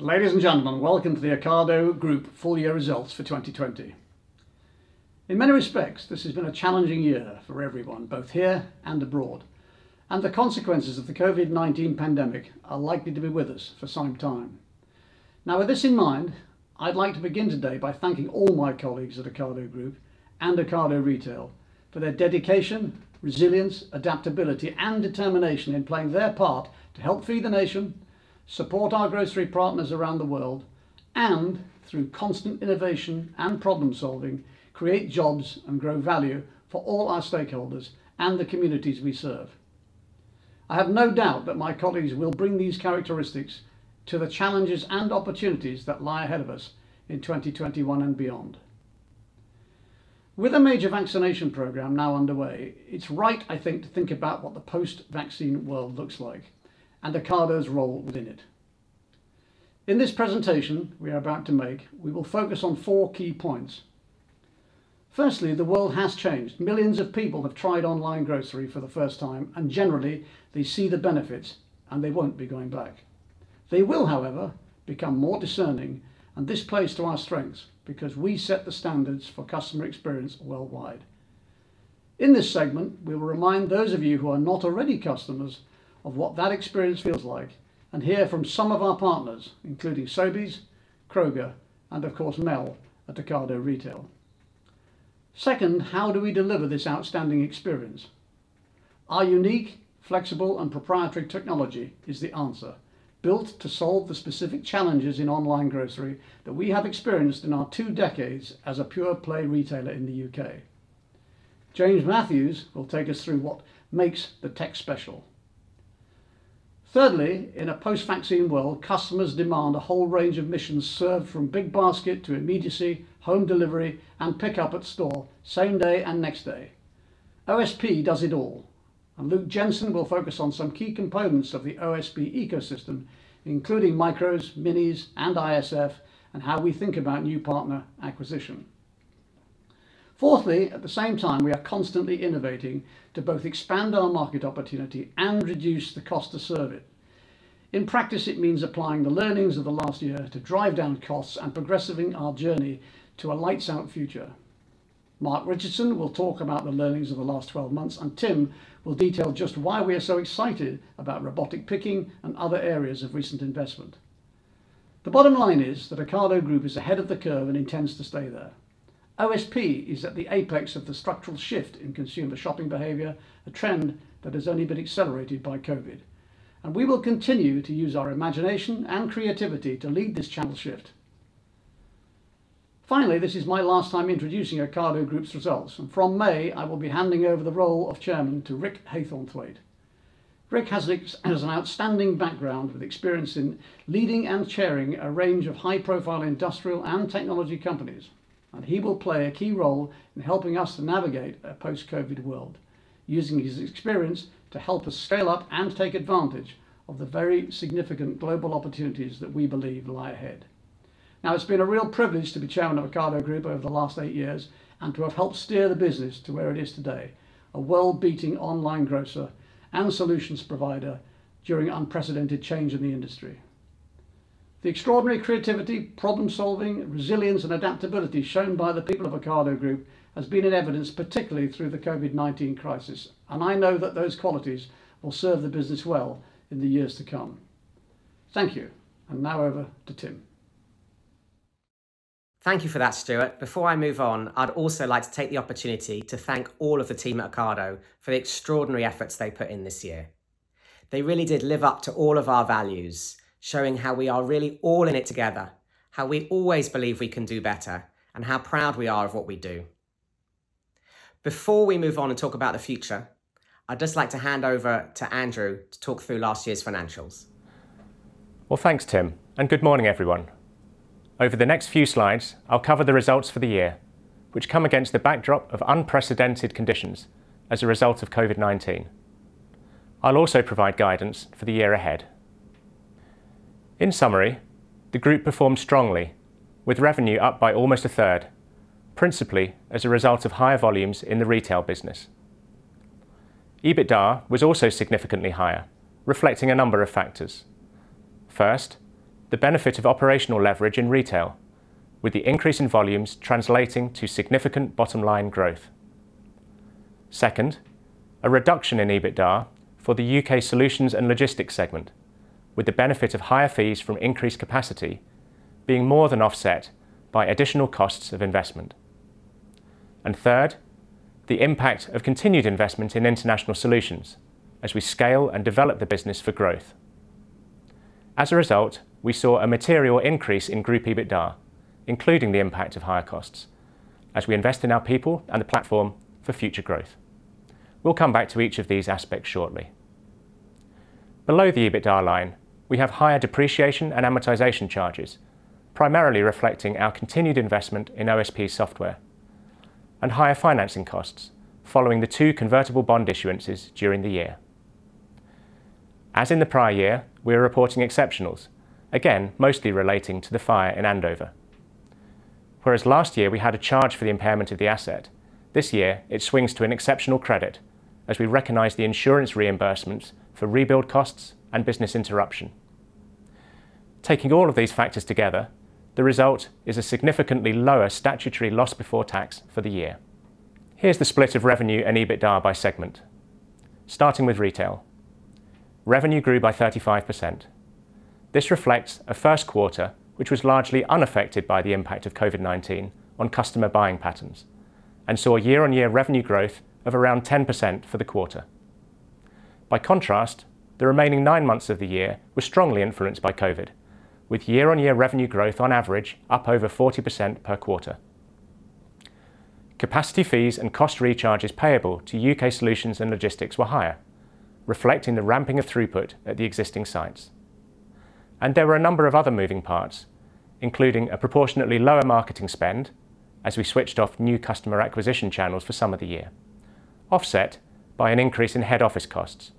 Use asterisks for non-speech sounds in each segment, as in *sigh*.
Ladies and gentlemen, welcome to the Ocado Group full year results for 2020. In many respects, this has been a challenging year for everyone, both here and abroad, and the consequences of the COVID-19 pandemic are likely to be with us for some time. With this in mind, I'd like to begin today by thanking all my colleagues at Ocado Group and Ocado Retail for their dedication, resilience, adaptability, and determination in playing their part to help feed the nation, support our grocery partners around the world, and, through constant innovation and problem-solving, create jobs and grow value for all our stakeholders and the communities we serve. I have no doubt that my colleagues will bring these characteristics to the challenges and opportunities that lie ahead of us in 2021 and beyond. With a major vaccination program now underway, it's right, I think, to think about what the post-vaccine world looks like and Ocado's role within it. In this presentation we are about to make, we will focus on four key points. Firstly, the world has changed. Millions of people have tried online grocery for the first time, and generally they see the benefits and they won't be going back. They will, however, become more discerning, and this plays to our strengths because we set the standards for customer experience worldwide. In this segment, we will remind those of you who are not already customers of what that experience feels like and hear from some of our partners, including Sobeys, Kroger, and of course Mel at Ocado Retail. Second, how do we deliver this outstanding experience? Our unique, flexible, and proprietary technology is the answer, built to solve the specific challenges in online grocery that we have experienced in our two decades as a pure play retailer in the U.K. James Matthews will take us through what makes the tech special. Thirdly, in a post-vaccine world, customers demand a whole range of missions served from big basket to immediacy, home delivery, and pickup at store same day and next day. OSP does it all. Luke Jensen will focus on some key components of the OSP ecosystem, including micros, minis, and ISF, and how we think about new partner acquisition. Fourthly, at the same time, we are constantly innovating to both expand our market opportunity and reduce the cost to serve it. In practice, it means applying the learnings of the last year to drive down costs and progressing our journey to a lights out future. Mark Richardson will talk about the learnings of the last 12 months, and Tim will detail just why we are so excited about robotic picking and other areas of recent investment. The bottom line is that Ocado Group is ahead of the curve and intends to stay there. OSP is at the apex of the structural shift in consumer shopping behavior, a trend that has only been accelerated by COVID, and we will continue to use our imagination and creativity to lead this channel shift. Finally, this is my last time introducing Ocado Group's results. From May, I will be handing over the role of chairman to Rick Haythornthwaite. Rick has an outstanding background, with experience in leading and chairing a range of high-profile industrial and technology companies. He will play a key role in helping us to navigate a post-COVID-19 world, using his experience to help us scale up and take advantage of the very significant global opportunities that we believe lie ahead. It's been a real privilege to be chairman of Ocado Group over the last eight years and to have helped steer the business to where it is today, a world-beating online grocer and solutions provider during unprecedented change in the industry. The extraordinary creativity, problem-solving, resilience, and adaptability shown by the people of Ocado Group has been in evidence, particularly through the COVID-19 crisis. I know that those qualities will serve the business well in the years to come. Thank you. Now over to Tim. Thank you for that, Stuart. Before I move on, I'd also like to take the opportunity to thank all of the team at Ocado for the extraordinary efforts they put in this year. They really did live up to all of our values, showing how we are really all in it together, how we always believe we can do better, and how proud we are of what we do. Before we move on and talk about the future, I'd just like to hand over to Andrew to talk through last year's financials. Well, thanks, Tim, and good morning, everyone. Over the next few slides, I'll cover the results for the year, which come against the backdrop of unprecedented conditions as a result of COVID-19. I'll also provide guidance for the year ahead. In summary, the group performed strongly, with revenue up by almost a third, principally as a result of higher volumes in the retail business. EBITDA was also significantly higher, reflecting a number of factors. First, the benefit of operational leverage in retail, with the increase in volumes translating to significant bottom-line growth. Second, a reduction in EBITDA for the UK Solutions and Logistics segment, with the benefit of higher fees from increased capacity being more than offset by additional costs of investment. Third, the impact of continued investment in International Solutions as we scale and develop the business for growth. As a result, we saw a material increase in group EBITDA, including the impact of higher costs as we invest in our people and the platform for future growth. We'll come back to each of these aspects shortly. Below the EBITDA line, we have higher depreciation and amortization charges, primarily reflecting our continued investment in OSP software, and higher financing costs following the two convertible bond issuances during the year. As in the prior year, we are reporting exceptionals, again, mostly relating to the fire in Andover. Whereas last year we had a charge for the impairment of the asset, this year it swings to an exceptional credit as we recognize the insurance reimbursement for rebuild costs and business interruption. Taking all of these factors together, the result is a significantly lower statutory loss before tax for the year. Here's the split of revenue and EBITDA by segment. Starting with Retail, revenue grew by 35%. This reflects a first quarter, which was largely unaffected by the impact of COVID-19 on customer buying patterns and saw year-on-year revenue growth of around 10% for the quarter. The remaining nine months of the year were strongly influenced by COVID, with year-on-year revenue growth on average up over 40% per quarter. Capacity fees and cost recharges payable to UK Solutions and Logistics were higher, reflecting the ramping of throughput at the existing sites. There were a number of other moving parts, including a proportionately lower marketing spend as we switched off new customer acquisition channels for some of the year, offset by an increase in head office costs,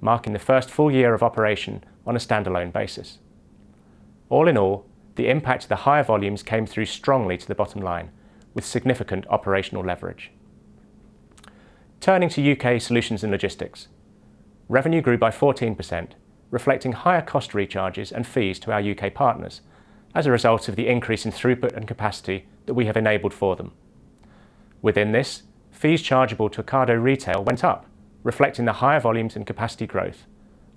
marking the first full year of operation on a standalone basis. All in all, the impact of the higher volumes came through strongly to the bottom line with significant operational leverage. Turning to U.K. Solutions and Logistics. Revenue grew by 14%, reflecting higher cost recharges and fees to our U.K. partners as a result of the increase in throughput and capacity that we have enabled for them. Within this, fees chargeable to Ocado Retail went up, reflecting the higher volumes and capacity growth,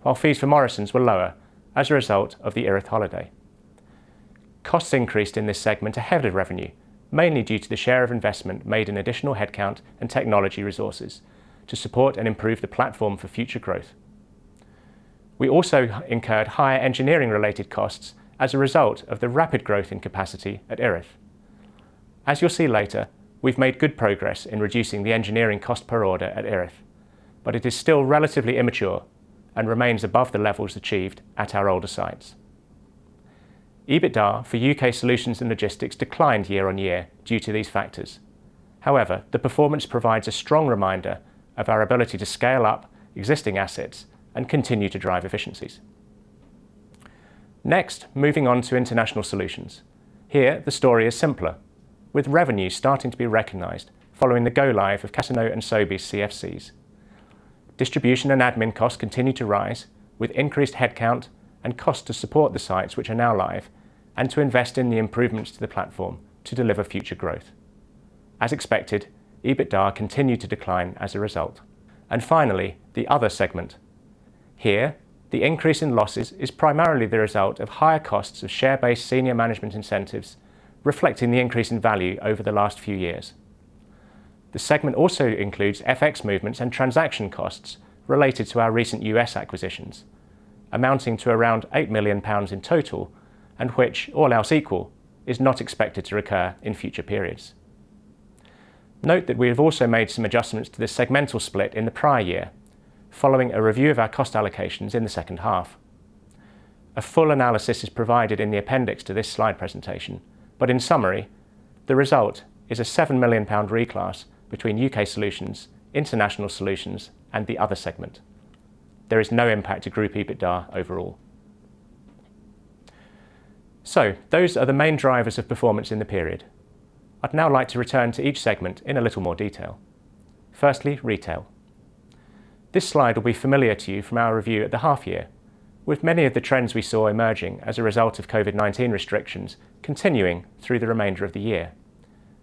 while fees for Morrisons were lower as a result of the Erith holiday. Costs increased in this segment ahead of revenue, mainly due to the share of investment made in additional headcount and technology resources to support and improve the platform for future growth. We also incurred higher engineering related costs as a result of the rapid growth in capacity at Erith. As you'll see later, we've made good progress in reducing the engineering cost per order at Erith, but it is still relatively immature and remains above the levels achieved at our older sites. EBITDA for UK Solutions and Logistics declined year-over-year due to these factors. The performance provides a strong reminder of our ability to scale up existing assets and continue to drive efficiencies. Moving on to International Solutions. Here, the story is simpler. With revenue starting to be recognized following the go live of Casino and Sobeys CFCs. Distribution and admin costs continue to rise with increased headcount and cost to support the sites which are now live and to invest in the improvements to the platform to deliver future growth. As expected, EBITDA continued to decline as a result. Finally, the Other segment. Here, the increase in losses is primarily the result of higher costs of share-based senior management incentives reflecting the increase in value over the last few years. The segment also includes FX movements and transaction costs related to our recent U.S. acquisitions, amounting to around 8 million pounds in total, and which, all else equal, is not expected to recur in future periods. Note that we have also made some adjustments to this segmental split in the prior year following a review of our cost allocations in the second half. A full analysis is provided in the appendix to this slide presentation. In summary, the result is a 7 million pound reclass between UK Solutions, International Solutions, and the Other segment. There is no impact to Group EBITDA overall. Those are the main drivers of performance in the period. I'd now like to return to each segment in a little more detail. Firstly, Retail. This slide will be familiar to you from our review at the half year, with many of the trends we saw emerging as a result of COVID-19 restrictions continuing through the remainder of the year,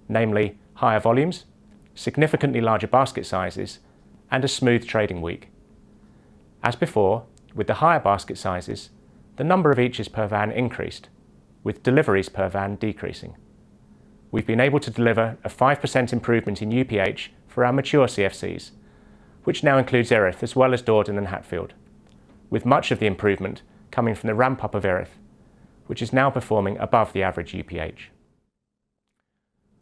namely higher volumes, significantly larger basket sizes, and a smooth trading week. With the higher basket sizes, the number of each per van increased, with deliveries per van decreasing. We've been able to deliver a 5% improvement in UPH for our mature CFCs, which now includes Erith as well as Dordon and Hatfield, with much of the improvement coming from the ramp-up of Erith, which is now performing above the average UPH.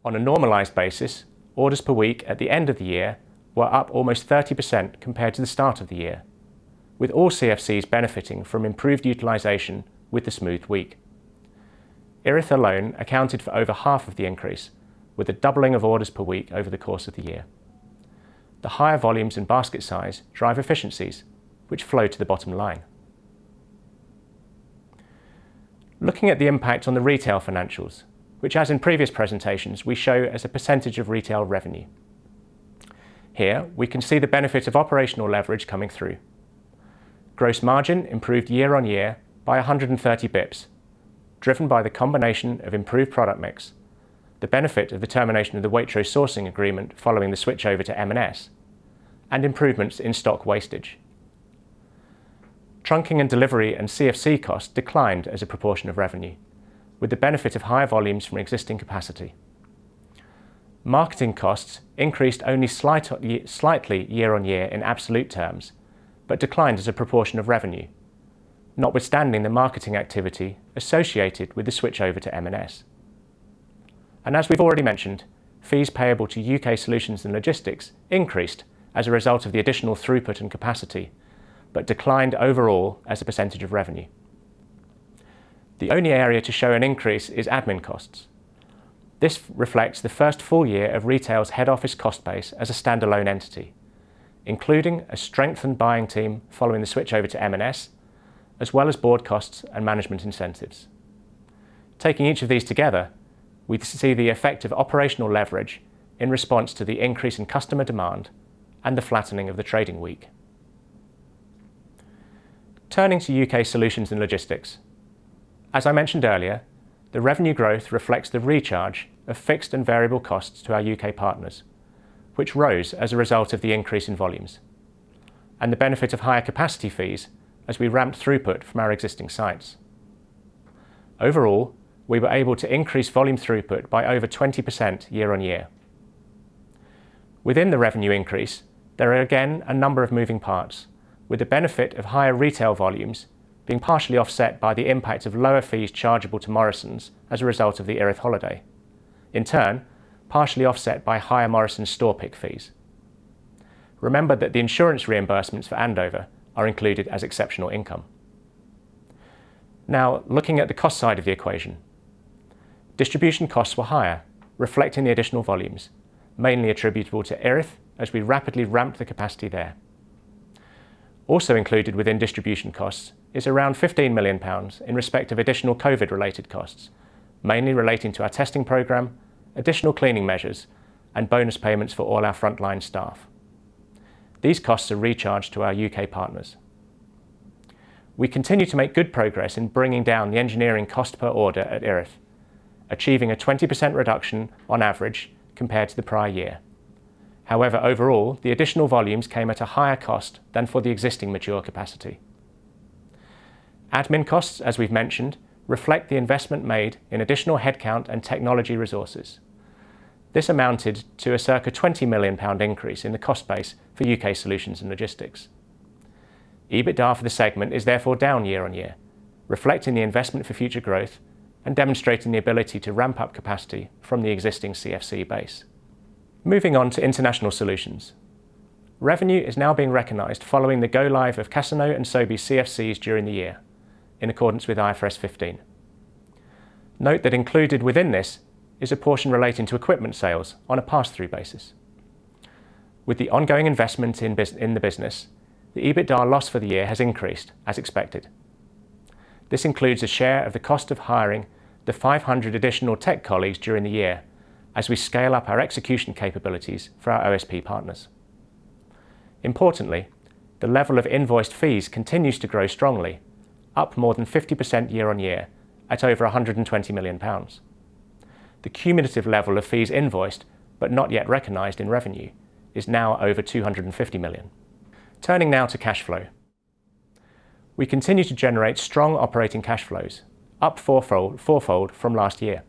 On a normalized basis, orders per week at the end of the year were up almost 30% compared to the start of the year, with all CFCs benefiting from improved utilization with the smooth week. Erith alone accounted for over half of the increase, with a doubling of orders per week over the course of the year. The higher volumes and basket size drive efficiencies, which flow to the bottom line. Looking at the impact on the Retail financials, which as in previous presentations, we show as a percentage of Retail revenue. Here, we can see the benefit of operational leverage coming through. Gross margin improved year-on-year by 130 basis points, driven by the combination of improved product mix, the benefit of the termination of the Waitrose sourcing agreement following the switchover to M&S, and improvements in stock wastage. Trunking and delivery and CFC costs declined as a proportion of revenue, with the benefit of higher volumes from existing capacity. Marketing costs increased only slightly year-on-year in absolute terms, but declined as a proportion of revenue, notwithstanding the marketing activity associated with the switchover to M&S. As we've already mentioned, fees payable to U.K. Solutions and Logistics increased as a result of the additional throughput and capacity, but declined overall as a percentage of revenue. The only area to show an increase is admin costs. This reflects the first full year of Ocado Retail's head office cost base as a standalone entity, including a strengthened buying team following the switch over to M&S, as well as board costs and management incentives. Taking each of these together, we see the effect of operational leverage in response to the increase in customer demand and the flattening of the trading week. Turning to UK Solutions and Logistics. As I mentioned earlier, the revenue growth reflects the recharge of fixed and variable costs to our U.K. partners, which rose as a result of the increase in volumes and the benefit of higher capacity fees as we ramped throughput from our existing sites. Overall, we were able to increase volume throughput by over 20% year-on-year. Within the revenue increase, there are again a number of moving parts, with the benefit of higher retail volumes being partially offset by the impact of lower fees chargeable to Morrisons as a result of the Erith holiday. Partially offset by higher Morrisons store pick fees. Remember that the insurance reimbursements for Andover are included as exceptional income. Looking at the cost side of the equation. Distribution costs were higher, reflecting the additional volumes, mainly attributable to Erith, as we rapidly ramped the capacity there. Also included within distribution costs is around 15 million pounds in respect of additional COVID-19 related costs, mainly relating to our testing program, additional cleaning measures, and bonus payments for all our frontline staff. These costs are recharged to our U.K. partners. We continue to make good progress in bringing down the engineering cost per order at Erith, achieving a 20% reduction on average compared to the prior year. Overall, the additional volumes came at a higher cost than for the existing mature capacity. Admin costs, as we've mentioned, reflect the investment made in additional headcount and technology resources. This amounted to a circa 20 million pound increase in the cost base for U.K. Solutions and Logistics. EBITDA for the segment is therefore down year-over-year, reflecting the investment for future growth and demonstrating the ability to ramp up capacity from the existing CFC base. Moving on to International Solutions. Revenue is now being recognized following the go live of Casino and Sobeys CFCs during the year in accordance with IFRS 15. Note that included within this is a portion relating to equipment sales on a pass-through basis. With the ongoing investment in the business, the EBITDA loss for the year has increased as expected. This includes a share of the cost of hiring the 500 additional tech colleagues during the year as we scale up our execution capabilities for our OSP partners. Importantly, the level of invoiced fees continues to grow strongly, up more than 50% year-on-year at over 120 million pounds. The cumulative level of fees invoiced, but not yet recognized in revenue, is now over 250 million. Turning now to cash flow. We continue to generate strong operating cash flows, up fourfold from last year.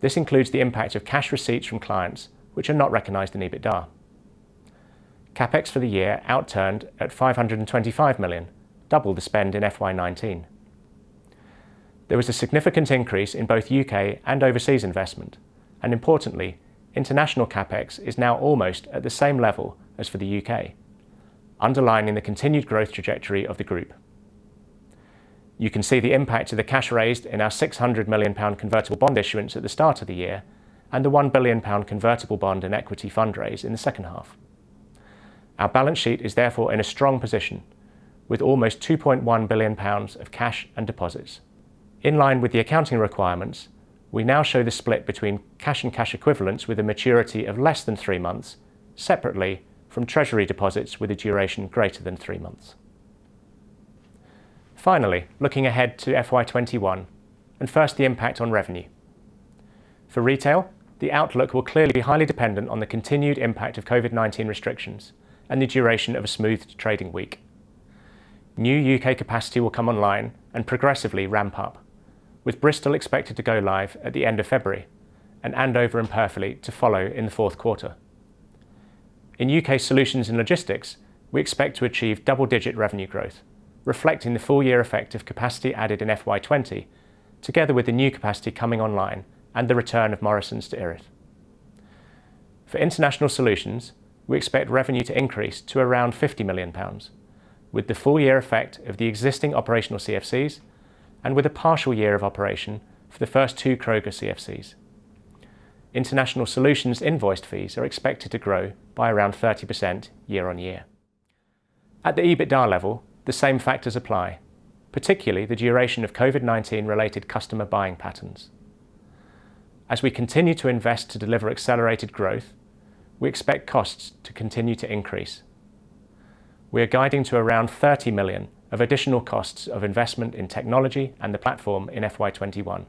This includes the impact of cash receipts from clients which are not recognized in EBITDA. CapEx for the year outturned at 525 million, double the spend in FY 2019. There was a significant increase in both U.K. and overseas investment, and importantly, international CapEx is now almost at the same level as for the U.K., underlining the continued growth trajectory of the group. You can see the impact of the cash raised in our 600 million pound convertible bond issuance at the start of the year and the 1 billion pound convertible bond and equity fundraise in the second half. Our balance sheet is therefore in a strong position with almost 2.1 billion pounds of cash and deposits. In line with the accounting requirements, we now show the split between cash and cash equivalents with a maturity of less than three months, separately from treasury deposits with a duration greater than three months. Finally, looking ahead to FY 2021, and first the impact on revenue. For retail, the outlook will clearly be highly dependent on the continued impact of COVID-19 restrictions and the duration of a smoothed trading week. New U.K. capacity will come online and progressively ramp up, with Bristol expected to go live at the end of February, and Andover and Purfleet to follow in the fourth quarter. In U.K. Solutions and Logistics, we expect to achieve double-digit revenue growth, reflecting the full year effect of capacity added in FY 2020, together with the new capacity coming online and the return of Morrisons to Erith. For International Solutions, we expect revenue to increase to around 50 million pounds, with the full year effect of the existing operational CFCs and with a partial year of operation for the first two Kroger CFCs. International Solutions invoiced fees are expected to grow by around 30% year on year. At the EBITDA level, the same factors apply, particularly the duration of COVID-19 related customer buying patterns. As we continue to invest to deliver accelerated growth, we expect costs to continue to increase. We are guiding to around 30 million of additional costs of investment in technology and the platform in FY 2021,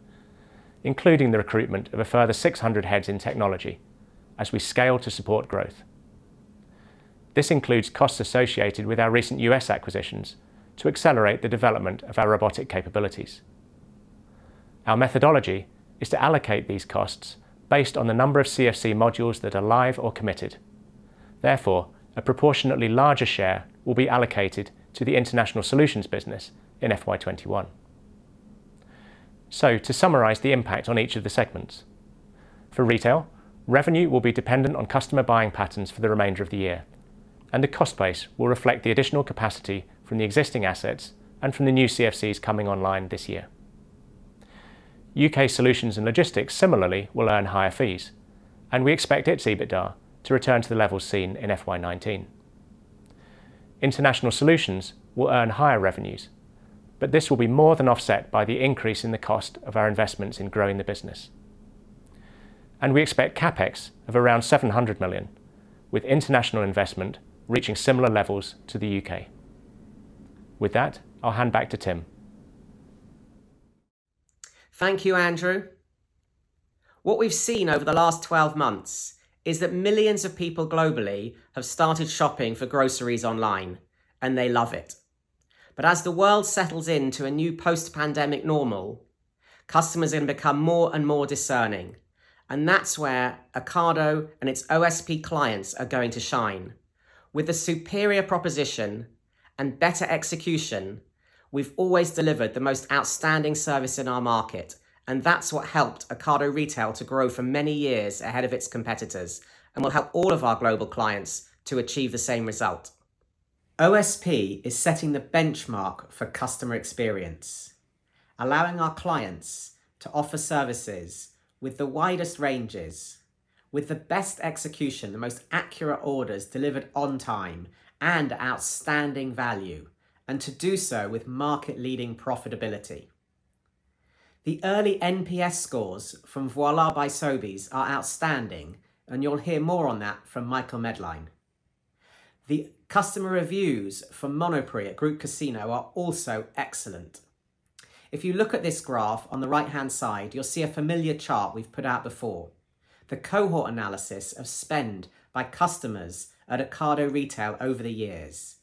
including the recruitment of a further 600 heads in technology as we scale to support growth. This includes costs associated with our recent U.S. acquisitions to accelerate the development of our robotic capabilities. Our methodology is to allocate these costs based on the number of CFC modules that are live or committed. Therefore, a proportionately larger share will be allocated to the International Solutions business in FY 2021. To summarize the impact on each of the segments. For Retail, revenue will be dependent on customer buying patterns for the remainder of the year, and the cost base will reflect the additional capacity from the existing assets and from the new CFCs coming online this year. U.K. Solutions and Logistics similarly will earn higher fees, and we expect its EBITDA to return to the levels seen in FY 2019. International Solutions will earn higher revenues, but this will be more than offset by the increase in the cost of our investments in growing the business. We expect CapEx of around 700 million, with international investment reaching similar levels to the U.K. With that, I’ll hand back to Tim. Thank you, Andrew. What we've seen over the last 12 months is that millions of people globally have started shopping for groceries online, and they love it. As the world settles into a new post-pandemic normal, customers are going to become more and more discerning, and that's where Ocado and its OSP clients are going to shine. With a superior proposition and better execution, we've always delivered the most outstanding service in our market, and that's what helped Ocado Retail to grow for many years ahead of its competitors and will help all of our global clients to achieve the same result. OSP is setting the benchmark for customer experience, allowing our clients to offer services with the widest ranges, with the best execution, the most accurate orders delivered on time, and outstanding value, and to do so with market-leading profitability. The early NPS scores from Voilà by Sobeys are outstanding, and you'll hear more on that from Michael Medline. The customer reviews from Monoprix at Groupe Casino are also excellent. If you look at this graph on the right-hand side, you'll see a familiar chart we've put out before, the cohort analysis of spend by customers at Ocado Retail over the years.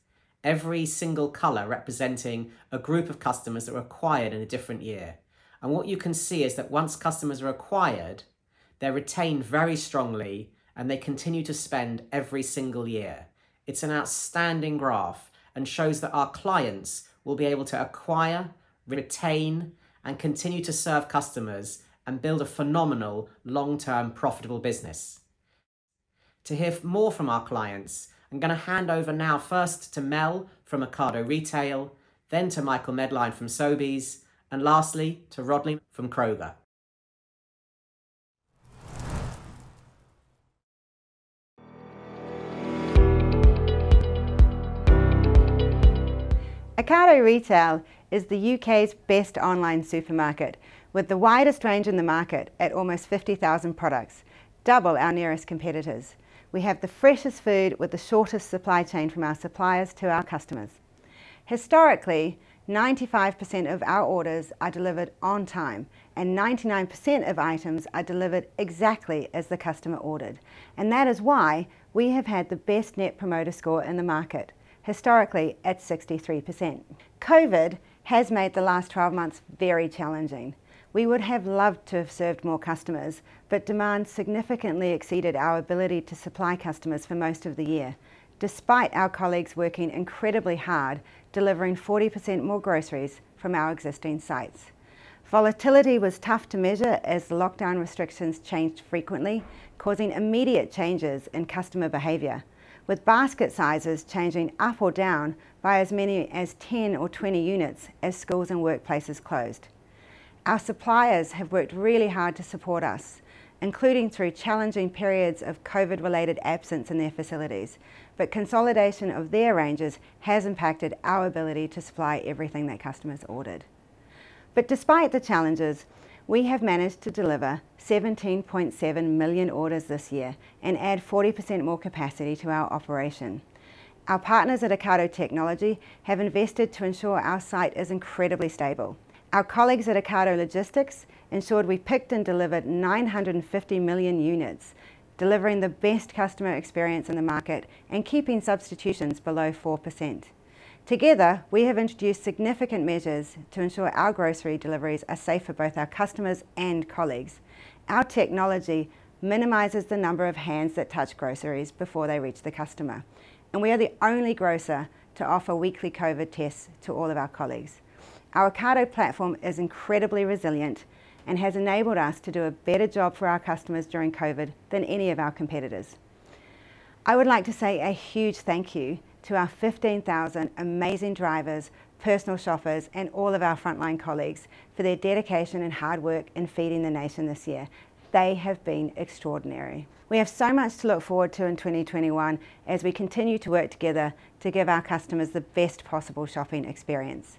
Every single color representing a group of customers that were acquired in a different year. What you can see is that once customers are acquired, they're retained very strongly, and they continue to spend every single year. It's an outstanding graph and shows that our clients will be able to acquire, retain, and continue to serve customers and build a phenomenal long-term profitable business. To hear more from our clients, I'm going to hand over now first to Mel from Ocado Retail, then to Michael Medline from Sobeys, and lastly to Rodney from Kroger. Ocado Retail is the U.K.'s best online supermarket with the widest range in the market at almost 50,000 products, double our nearest competitors. We have the freshest food with the shortest supply chain from our suppliers to our customers. Historically, 95% of our orders are delivered on time, and 99% of items are delivered exactly as the customer ordered, and that is why we have had the best net promoter score in the market, historically at 63%. COVID-19 has made the last 12 months very challenging. We would have loved to have served more customers, but demand significantly exceeded our ability to supply customers for most of the year, despite our colleagues working incredibly hard, delivering 40% more groceries from our existing sites. Volatility was tough to measure as the lockdown restrictions changed frequently, causing immediate changes in customer behavior, with basket sizes changing up or down by as many as 10 or 20 units as schools and workplaces closed. Our suppliers have worked really hard to support us, including through challenging periods of COVID-related absence in their facilities. Consolidation of their ranges has impacted our ability to supply everything that customers ordered. Despite the challenges, we have managed to deliver 17.7 million orders this year and add 40% more capacity to our operation. Our partners at Ocado Technology have invested to ensure our site is incredibly stable. Our colleagues at Ocado Logistics ensured we picked and delivered 950 million units, delivering the best customer experience in the market and keeping substitutions below 4%. Together, we have introduced significant measures to ensure our grocery deliveries are safe for both our customers and colleagues. Our technology minimizes the number of hands that touch groceries before they reach the customer, and we are the only grocer to offer weekly COVID-19 tests to all of our colleagues. Our Ocado platform is incredibly resilient and has enabled us to do a better job for our customers during COVID-19 than any of our competitors. I would like to say a huge thank you to our 15,000 amazing drivers, personal shoppers, and all of our frontline colleagues for their dedication and hard work in feeding the nation this year. They have been extraordinary. We have so much to look forward to in 2021 as we continue to work together to give our customers the best possible shopping experience.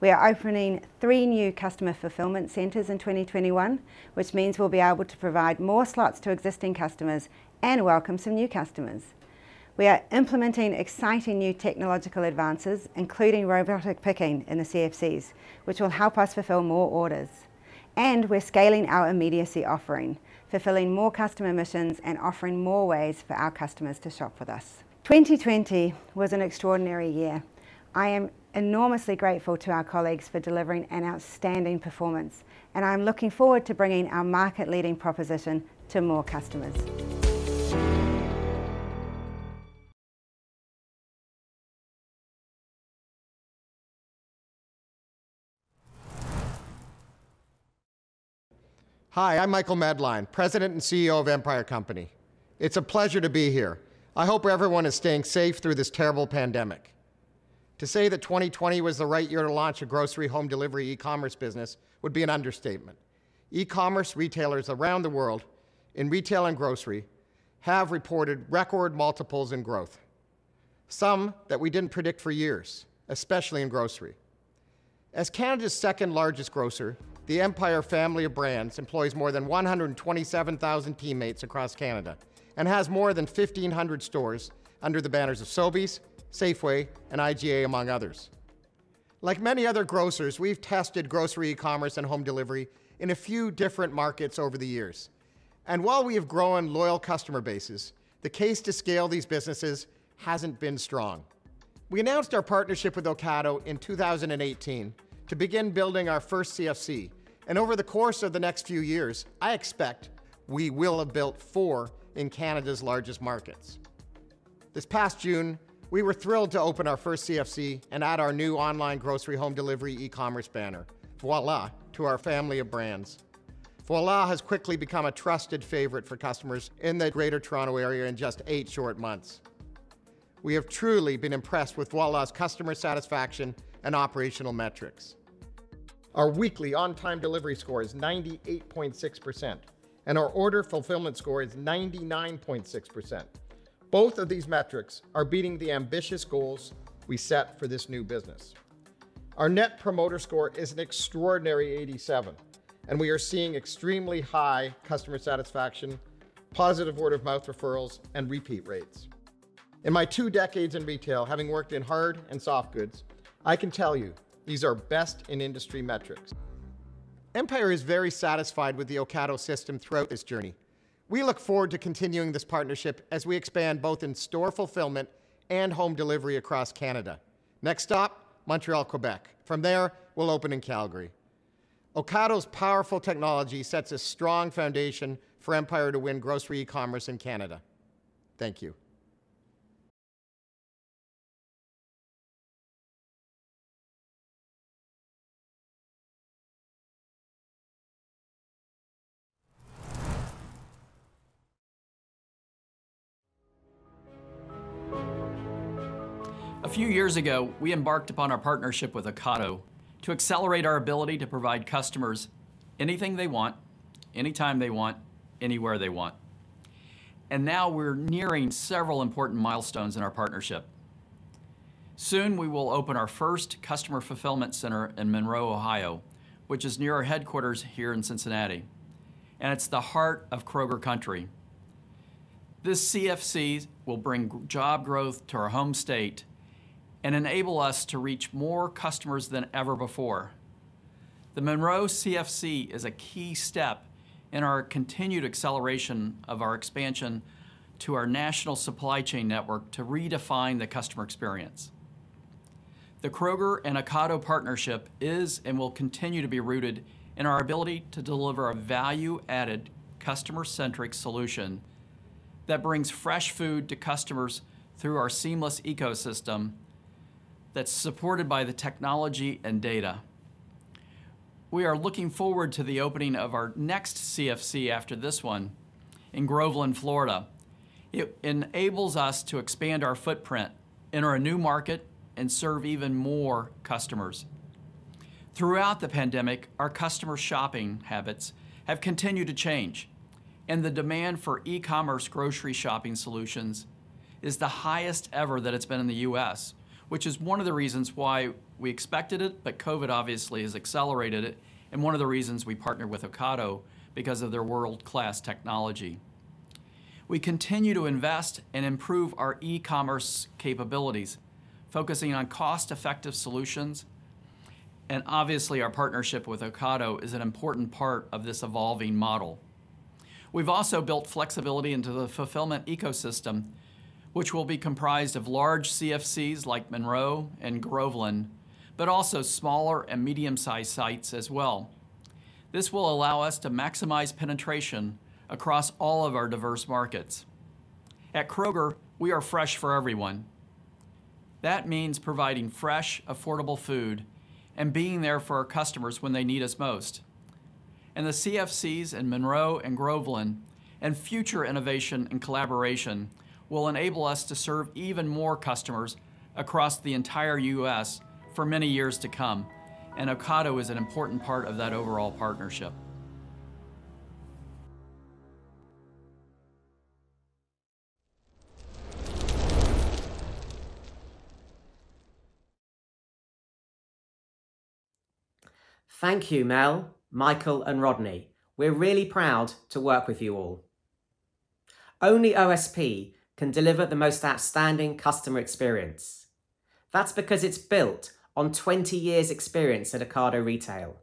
We are opening three new Customer Fulfilment Centers in 2021, which means we'll be able to provide more slots to existing customers and welcome some new customers. We are implementing exciting new technological advances, including robotic picking in the CFCs, which will help us fulfill more orders. We're scaling our immediacy offering, fulfilling more customer missions and offering more ways for our customers to shop with us. 2020 was an extraordinary year. I am enormously grateful to our colleagues for delivering an outstanding performance, I'm looking forward to bringing our market-leading proposition to more customers. Hi, I'm Michael Medline, President and CEO of Empire Company. It's a pleasure to be here. I hope everyone is staying safe through this terrible pandemic. To say that 2020 was the right year to launch a grocery home delivery e-commerce business would be an understatement. E-commerce retailers around the world in retail and grocery have reported record multiples in growth, some that we didn't predict for years, especially in grocery. As Canada's second-largest grocer, the Empire family of brands employs more than 127,000 teammates across Canada and has more than 1,500 stores under the banners of Sobeys, Safeway, and IGA, among others. Like many other grocers, we've tested grocery e-commerce and home delivery in a few different markets over the years. While we have grown loyal customer bases, the case to scale these businesses hasn't been strong. We announced our partnership with Ocado in 2018 to begin building our first CFC. Over the course of the next few years, I expect we will have built four in Canada's largest markets. This past June, we were thrilled to open our first CFC and add our new online grocery home delivery e-commerce banner, Voilà, to our family of brands. Voilà has quickly become a trusted favorite for customers in the Greater Toronto Area in just eight short months. We have truly been impressed with Voilà's customer satisfaction and operational metrics. Our weekly on-time delivery score is 98.6%. Our order fulfillment score is 99.6%. Both of these metrics are beating the ambitious goals we set for this new business. Our Net Promoter Score is an extraordinary 87. We are seeing extremely high customer satisfaction, positive word-of-mouth referrals, and repeat rates. In my two decades in retail, having worked in hard and soft goods, I can tell you, these are best-in-industry metrics. Empire is very satisfied with the Ocado system throughout this journey. We look forward to continuing this partnership as we expand both in store fulfillment and home delivery across Canada. Next stop, Montreal, Quebec. From there, we'll open in Calgary. Ocado's powerful technology sets a strong foundation for Empire to win grocery e-commerce in Canada. Thank you. A few years ago, we embarked upon our partnership with Ocado to accelerate our ability to provide customers anything they want, anytime they want, anywhere they want. Now we're nearing several important milestones in our partnership. Soon, we will open our first Customer Fulfillment Center in Monroe, Ohio, which is near our headquarters here in Cincinnati, and it's the heart of Kroger country. This CFC will bring job growth to our home state and enable us to reach more customers than ever before. The Monroe CFC is a key step in our continued acceleration of our expansion to our national supply chain network to redefine the customer experience. The Kroger and Ocado partnership is and will continue to be rooted in our ability to deliver a value-added, customer-centric solution that brings fresh food to customers through our seamless ecosystem that's supported by the technology and data. We are looking forward to the opening of our next CFC after this one in Groveland, Florida. It enables us to expand our footprint, enter a new market, and serve even more customers. Throughout the pandemic, our customer shopping habits have continued to change, and the demand for e-commerce grocery shopping solutions is the highest ever that it's been in the U.S., which is one of the reasons why we expected it, but COVID obviously has accelerated it, and one of the reasons we partnered with Ocado, because of their world-class technology. We continue to invest and improve our e-commerce capabilities, focusing on cost-effective solutions, and obviously, our partnership with Ocado is an important part of this evolving model. We've also built flexibility into the fulfillment ecosystem, which will be comprised of large CFCs like Monroe and Groveland, but also smaller and medium-sized sites as well. This will allow us to maximize penetration across all of our diverse markets. At Kroger, we are fresh for everyone. That means providing fresh, affordable food and being there for our customers when they need us most. The CFCs in Monroe and Groveland and future innovation and collaboration will enable us to serve even more customers across the entire U.S. for many years to come. Ocado is an important part of that overall partnership. Thank you, Mel, Michael, and Rodney. We're really proud to work with you all. Only OSP can deliver the most outstanding customer experience. That's because it's built on 20 years' experience at Ocado Retail,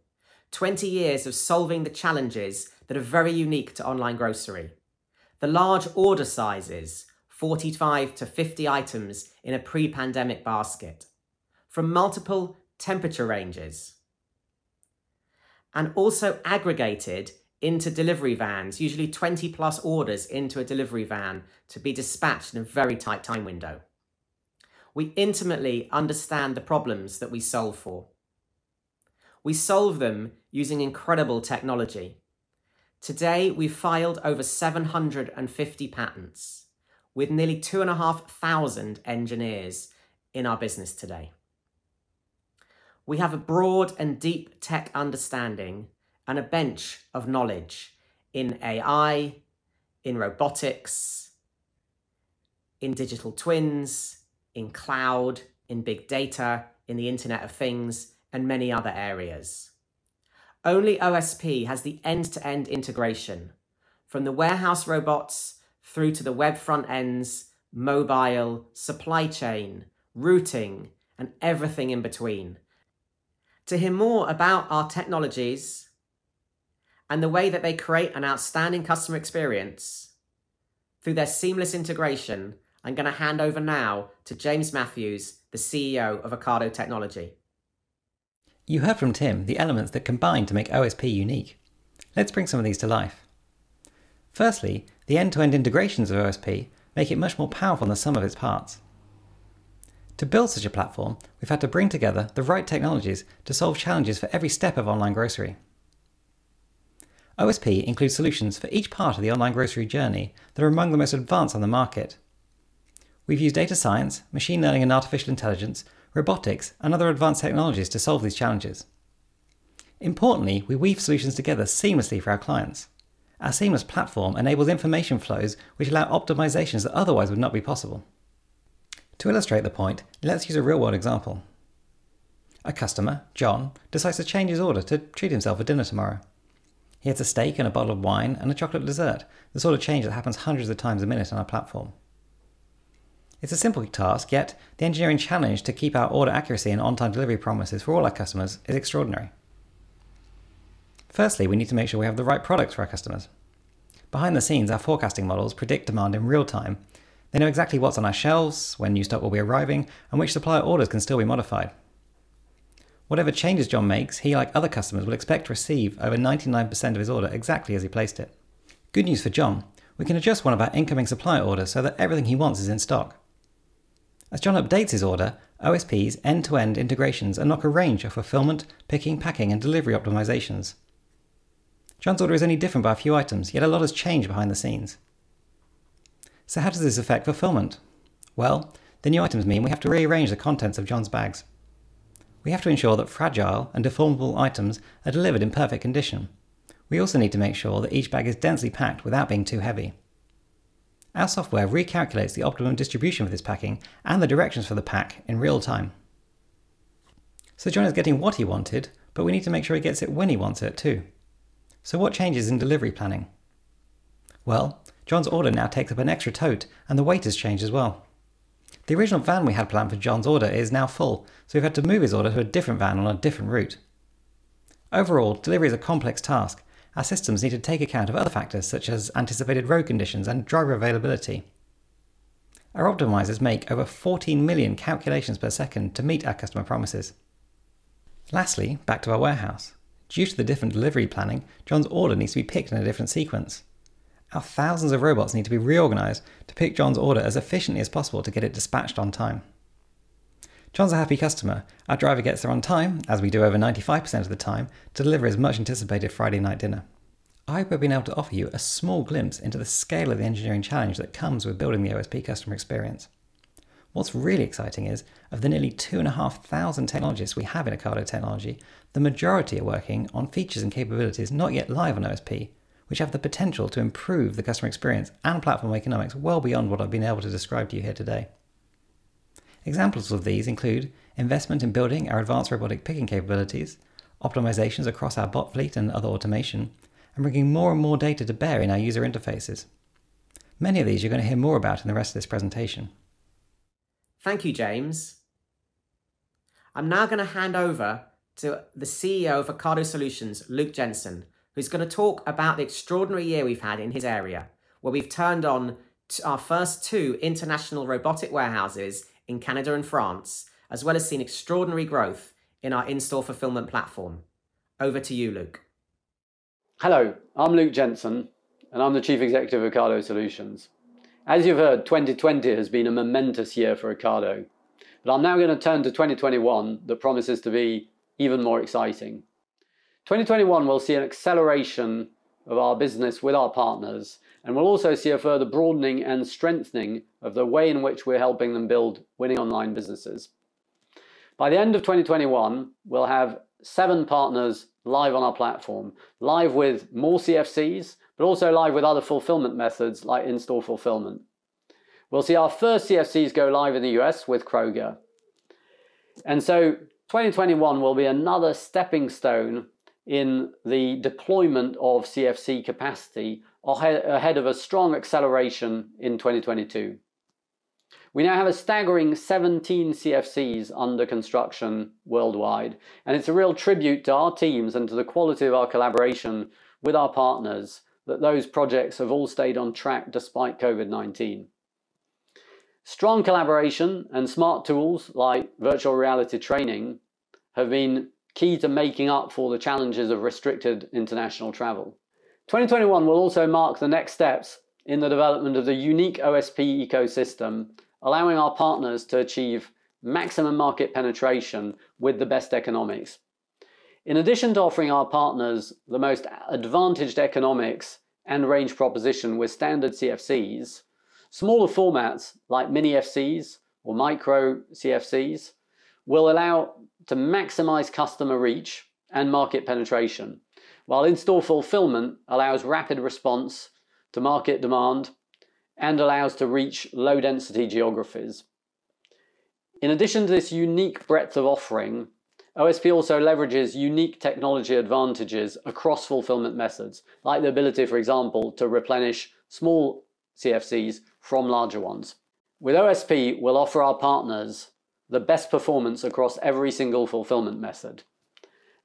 20 years of solving the challenges that are very unique to online grocery. The large order sizes, 45 to 50 items in a pre-pandemic basket, from multiple temperature ranges, and also aggregated into delivery vans, usually 20+ orders into a delivery van to be dispatched in a very tight time window. We intimately understand the problems that we solve for. We solve them using incredible technology. Today, we've filed over 750 patents with nearly 2,500 engineers in our business today. We have a broad and deep tech understanding and a bench of knowledge in AI, in robotics, in digital twins, in cloud, in big data, in the Internet of Things, and many other areas. Only OSP has the end-to-end integration from the warehouse robots through to the web front-ends, mobile, supply chain, routing, and everything in between. To hear more about our technologies and the way that they create an outstanding customer experience through their seamless integration, I'm going to hand over now to James Matthews, the CEO of Ocado Technology. You heard from Tim the elements that combine to make OSP unique. Let's bring some of these to life. Firstly, the end-to-end integrations of OSP make it much more powerful than the sum of its parts. To build such a platform, we've had to bring together the right technologies to solve challenges for every step of online grocery. OSP includes solutions for each part of the online grocery journey that are among the most advanced on the market. We've used data science, machine learning and artificial intelligence, robotics, and other advanced technologies to solve these challenges. Importantly, we weave solutions together seamlessly for our clients. Our seamless platform enables information flows which allow optimizations that otherwise would not be possible. To illustrate the point, let's use a real-world example. A customer, John, decides to change his order to treat himself a dinner tomorrow. He adds a steak and a bottle of wine and a chocolate dessert, the sort of change that happens hundreds of times a minute on our platform. It's a simple task, yet the engineering challenge to keep our order accuracy and on-time delivery promises for all our customers is extraordinary. Firstly, we need to make sure we have the right products for our customers. Behind the scenes, our forecasting models predict demand in real time. They know exactly what's on our shelves, when new stock will be arriving, and which supplier orders can still be modified. Whatever changes John makes, he, like other customers, will expect to receive over 99% of his order exactly as he placed it. Good news for John. We can adjust one of our incoming supplier orders so that everything he wants is in stock. As John updates his order, OSP's end-to-end integrations unlock a range of fulfillment, picking, packing, and delivery optimizations. John's order is only different by a few items, yet a lot has changed behind the scenes. How does this affect fulfillment? The new items mean we have to rearrange the contents of John's bags. We have to ensure that fragile and deformable items are delivered in perfect condition. We also need to make sure that each bag is densely packed without being too heavy. Our software recalculates the optimum distribution of his packing and the directions for the pack in real time. John is getting what he wanted, but we need to make sure he gets it when he wants it, too. What changes in delivery planning? John's order now takes up an extra tote, and the weight has changed as well. The original van we had planned for John's order is now full, so we've had to move his order to a different van on a different route. Overall, delivery is a complex task. Our systems need to take account of other factors such as anticipated road conditions and driver availability. Our optimizers make over 14 million calculations per second to meet our customer promises. Lastly, back to our warehouse. Due to the different delivery planning, John's order needs to be picked in a different sequence. Our thousands of robots need to be reorganized to pick John's order as efficiently as possible to get it dispatched on time. John's a happy customer. Our driver gets there on time, as we do over 95% of the time, to deliver his much-anticipated Friday night dinner. I hope I've been able to offer you a small glimpse into the scale of the engineering challenge that comes with building the OSP customer experience. What's really exciting is, of the nearly 2,500 technologists we have in Ocado Technology, the majority are working on features and capabilities not yet live on OSP, which have the potential to improve the customer experience and platform economics well beyond what I've been able to describe to you here today. Examples of these include investment in building our advanced robotic picking capabilities, optimizations across our bot fleet and other automation, and bringing more and more data to bear in our user interfaces. Many of these you're going to hear more about in the rest of this presentation. Thank you, James. I'm now going to hand over to the CEO of Ocado Solutions, Luke Jensen, who's going to talk about the extraordinary year we've had in his area, where we've turned on our first two international robotic warehouses in Canada and France, as well as seen extraordinary growth in our In-Store Fulfillment platform. Over to you, Luke. Hello, I'm Luke Jensen, and I'm the Chief Executive of Ocado Solutions. As you've heard, 2020 has been a momentous year for Ocado. I'm now going to turn to 2021, that promises to be even more exciting. 2021 will see an acceleration of our business with our partners, and we'll also see a further broadening and strengthening of the way in which we're helping them build winning online businesses. By the end of 2021, we'll have seven partners live on our platform, live with more CFCs, but also live with other fulfillment methods like In-Store Fulfillment. We'll see our first CFCs go live in the U.S. with Kroger. 2021 will be another stepping stone in the deployment of CFC capacity ahead of a strong acceleration in 2022. We now have a staggering 17 CFCs under construction worldwide, and it's a real tribute to our teams and to the quality of our collaboration with our partners that those projects have all stayed on track despite COVID-19. Strong collaboration and smart tools like virtual reality training have been key to making up for the challenges of restricted international travel. 2021 will also mark the next steps in the development of the unique OSP ecosystem, allowing our partners to achieve maximum market penetration with the best economics. In addition to offering our partners the most advantaged economics and range proposition with standard CFCs, smaller formats like Mini CFCs or Micro CFCs will allow to maximize customer reach and market penetration, while In-Store Fulfillment allows rapid response to market demand and allows to reach low-density geographies. In addition to this unique breadth of offering, OSP also leverages unique technology advantages across fulfillment methods, like the ability, for example, to replenish small CFCs from larger ones. With OSP, we'll offer our partners the best performance across every single fulfillment method.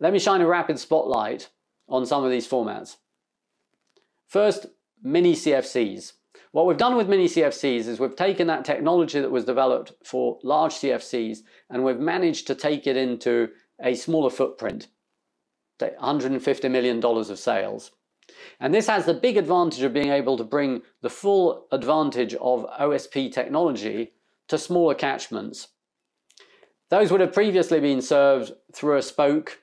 Let me shine a rapid spotlight on some of these formats. First, Mini CFCs. What we've done with Mini CFCs is we've taken that technology that was developed for large CFCs, we've managed to take it into a smaller footprint, GBP 150 million of sales. This has the big advantage of being able to bring the full advantage of OSP technology to smaller catchments. Those would have previously been served through a spoke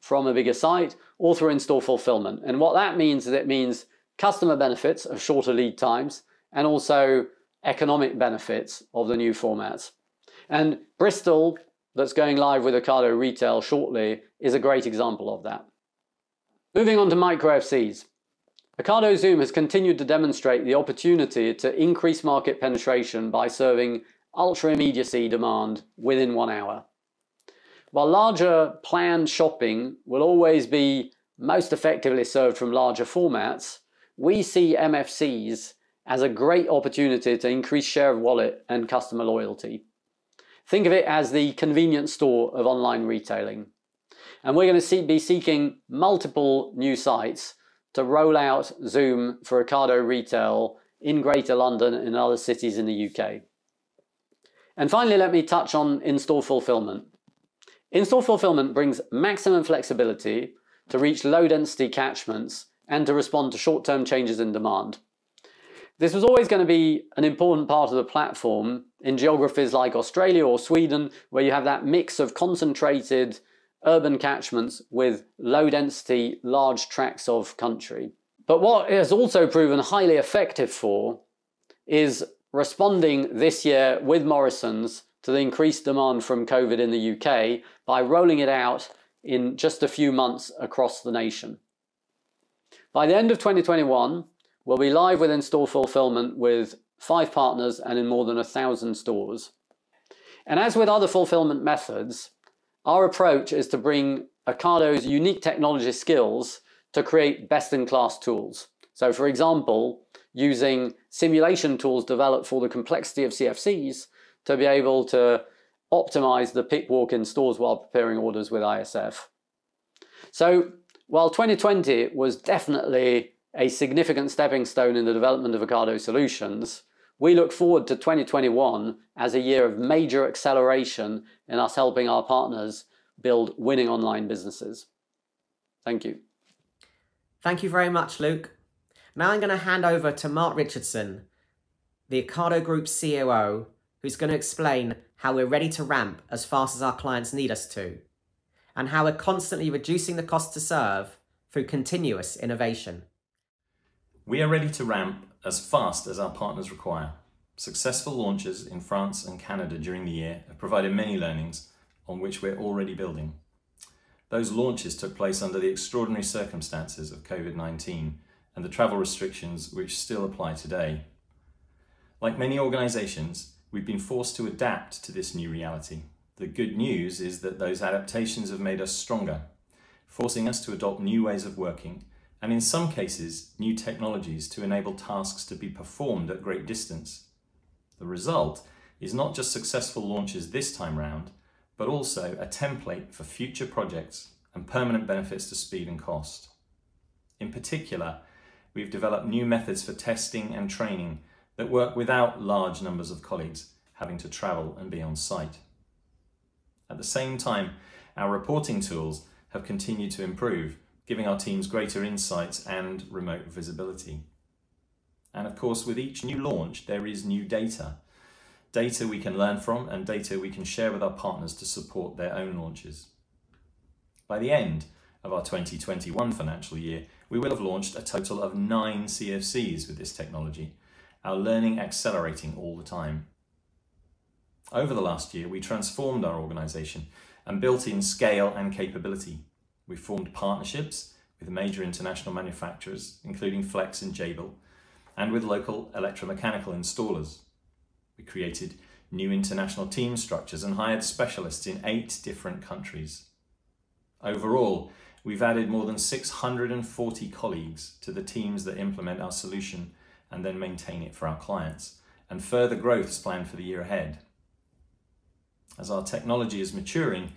from a bigger site or through In-Store Fulfillment. What that means is it means customer benefits of shorter lead times and also economic benefits of the new formats. Bristol, that's going live with Ocado Retail shortly, is a great example of that. Moving on to Micro CFCs. Ocado Zoom has continued to demonstrate the opportunity to increase market penetration by serving ultra-immediacy demand within one hour. Larger planned shopping will always be most effectively served from larger formats, we see Micro CFCs as a great opportunity to increase share of wallet and customer loyalty. Think of it as the convenience store of online retailing, we're going to be seeking multiple new sites to roll out Zoom for Ocado Retail in Greater London and other cities in the U.K. Finally, let me touch on In-Store Fulfillment. In-Store Fulfillment brings maximum flexibility to reach low-density catchments and to respond to short-term changes in demand. This was always going to be an important part of the platform in geographies like Australia or Sweden, where you have that mix of concentrated urban catchments with low-density large tracts of country. What it has also proven highly effective for is responding this year with Morrisons to the increased demand from COVID in the U.K. by rolling it out in just a few months across the nation. By the end of 2021, we'll be live with In-Store Fulfillment with five partners and in more than 1,000 stores. As with other fulfillment methods, our approach is to bring Ocado's unique technology skills to create best-in-class tools. For example, using simulation tools developed for the complexity of CFCs to be able to optimize the pick walk in stores while preparing orders with ISF. While 2020 was definitely a significant stepping stone in the development of Ocado Solutions, we look forward to 2021 as a year of major acceleration in us helping our partners build winning online businesses. Thank you. Thank you very much, Luke. I'm going to hand over to Mark Richardson, the Ocado Group COO, who's going to explain how we're ready to ramp as fast as our clients need us to, and how we're constantly reducing the cost to serve through continuous innovation. We are ready to ramp as fast as our partners require. Successful launches in France and Canada during the year have provided many learnings on which we're already building. Those launches took place under the extraordinary circumstances of COVID-19 and the travel restrictions which still apply today. Like many organizations, we've been forced to adapt to this new reality. The good news is that those adaptations have made us stronger, forcing us to adopt new ways of working and, in some cases, new technologies to enable tasks to be performed at great distance. The result is not just successful launches this time round, but also a template for future projects and permanent benefits to speed and cost. In particular, we've developed new methods for testing and training that work without large numbers of colleagues having to travel and be on-site. At the same time, our reporting tools have continued to improve, giving our teams greater insights and remote visibility. Of course, with each new launch, there is new data we can learn from and data we can share with our partners to support their own launches. By the end of our 2021 financial year, we will have launched a total of nine CFCs with this technology, our learning accelerating all the time. Over the last year, we transformed our organization and built in scale and capability. We formed partnerships with major international manufacturers, including Flex and Jabil, and with local electromechanical installers. We created new international team structures and hired specialists in eight different countries. Overall, we've added more than 640 colleagues to the teams that implement our solution and then maintain it for our clients. Further growth is planned for the year ahead. As our technology is maturing,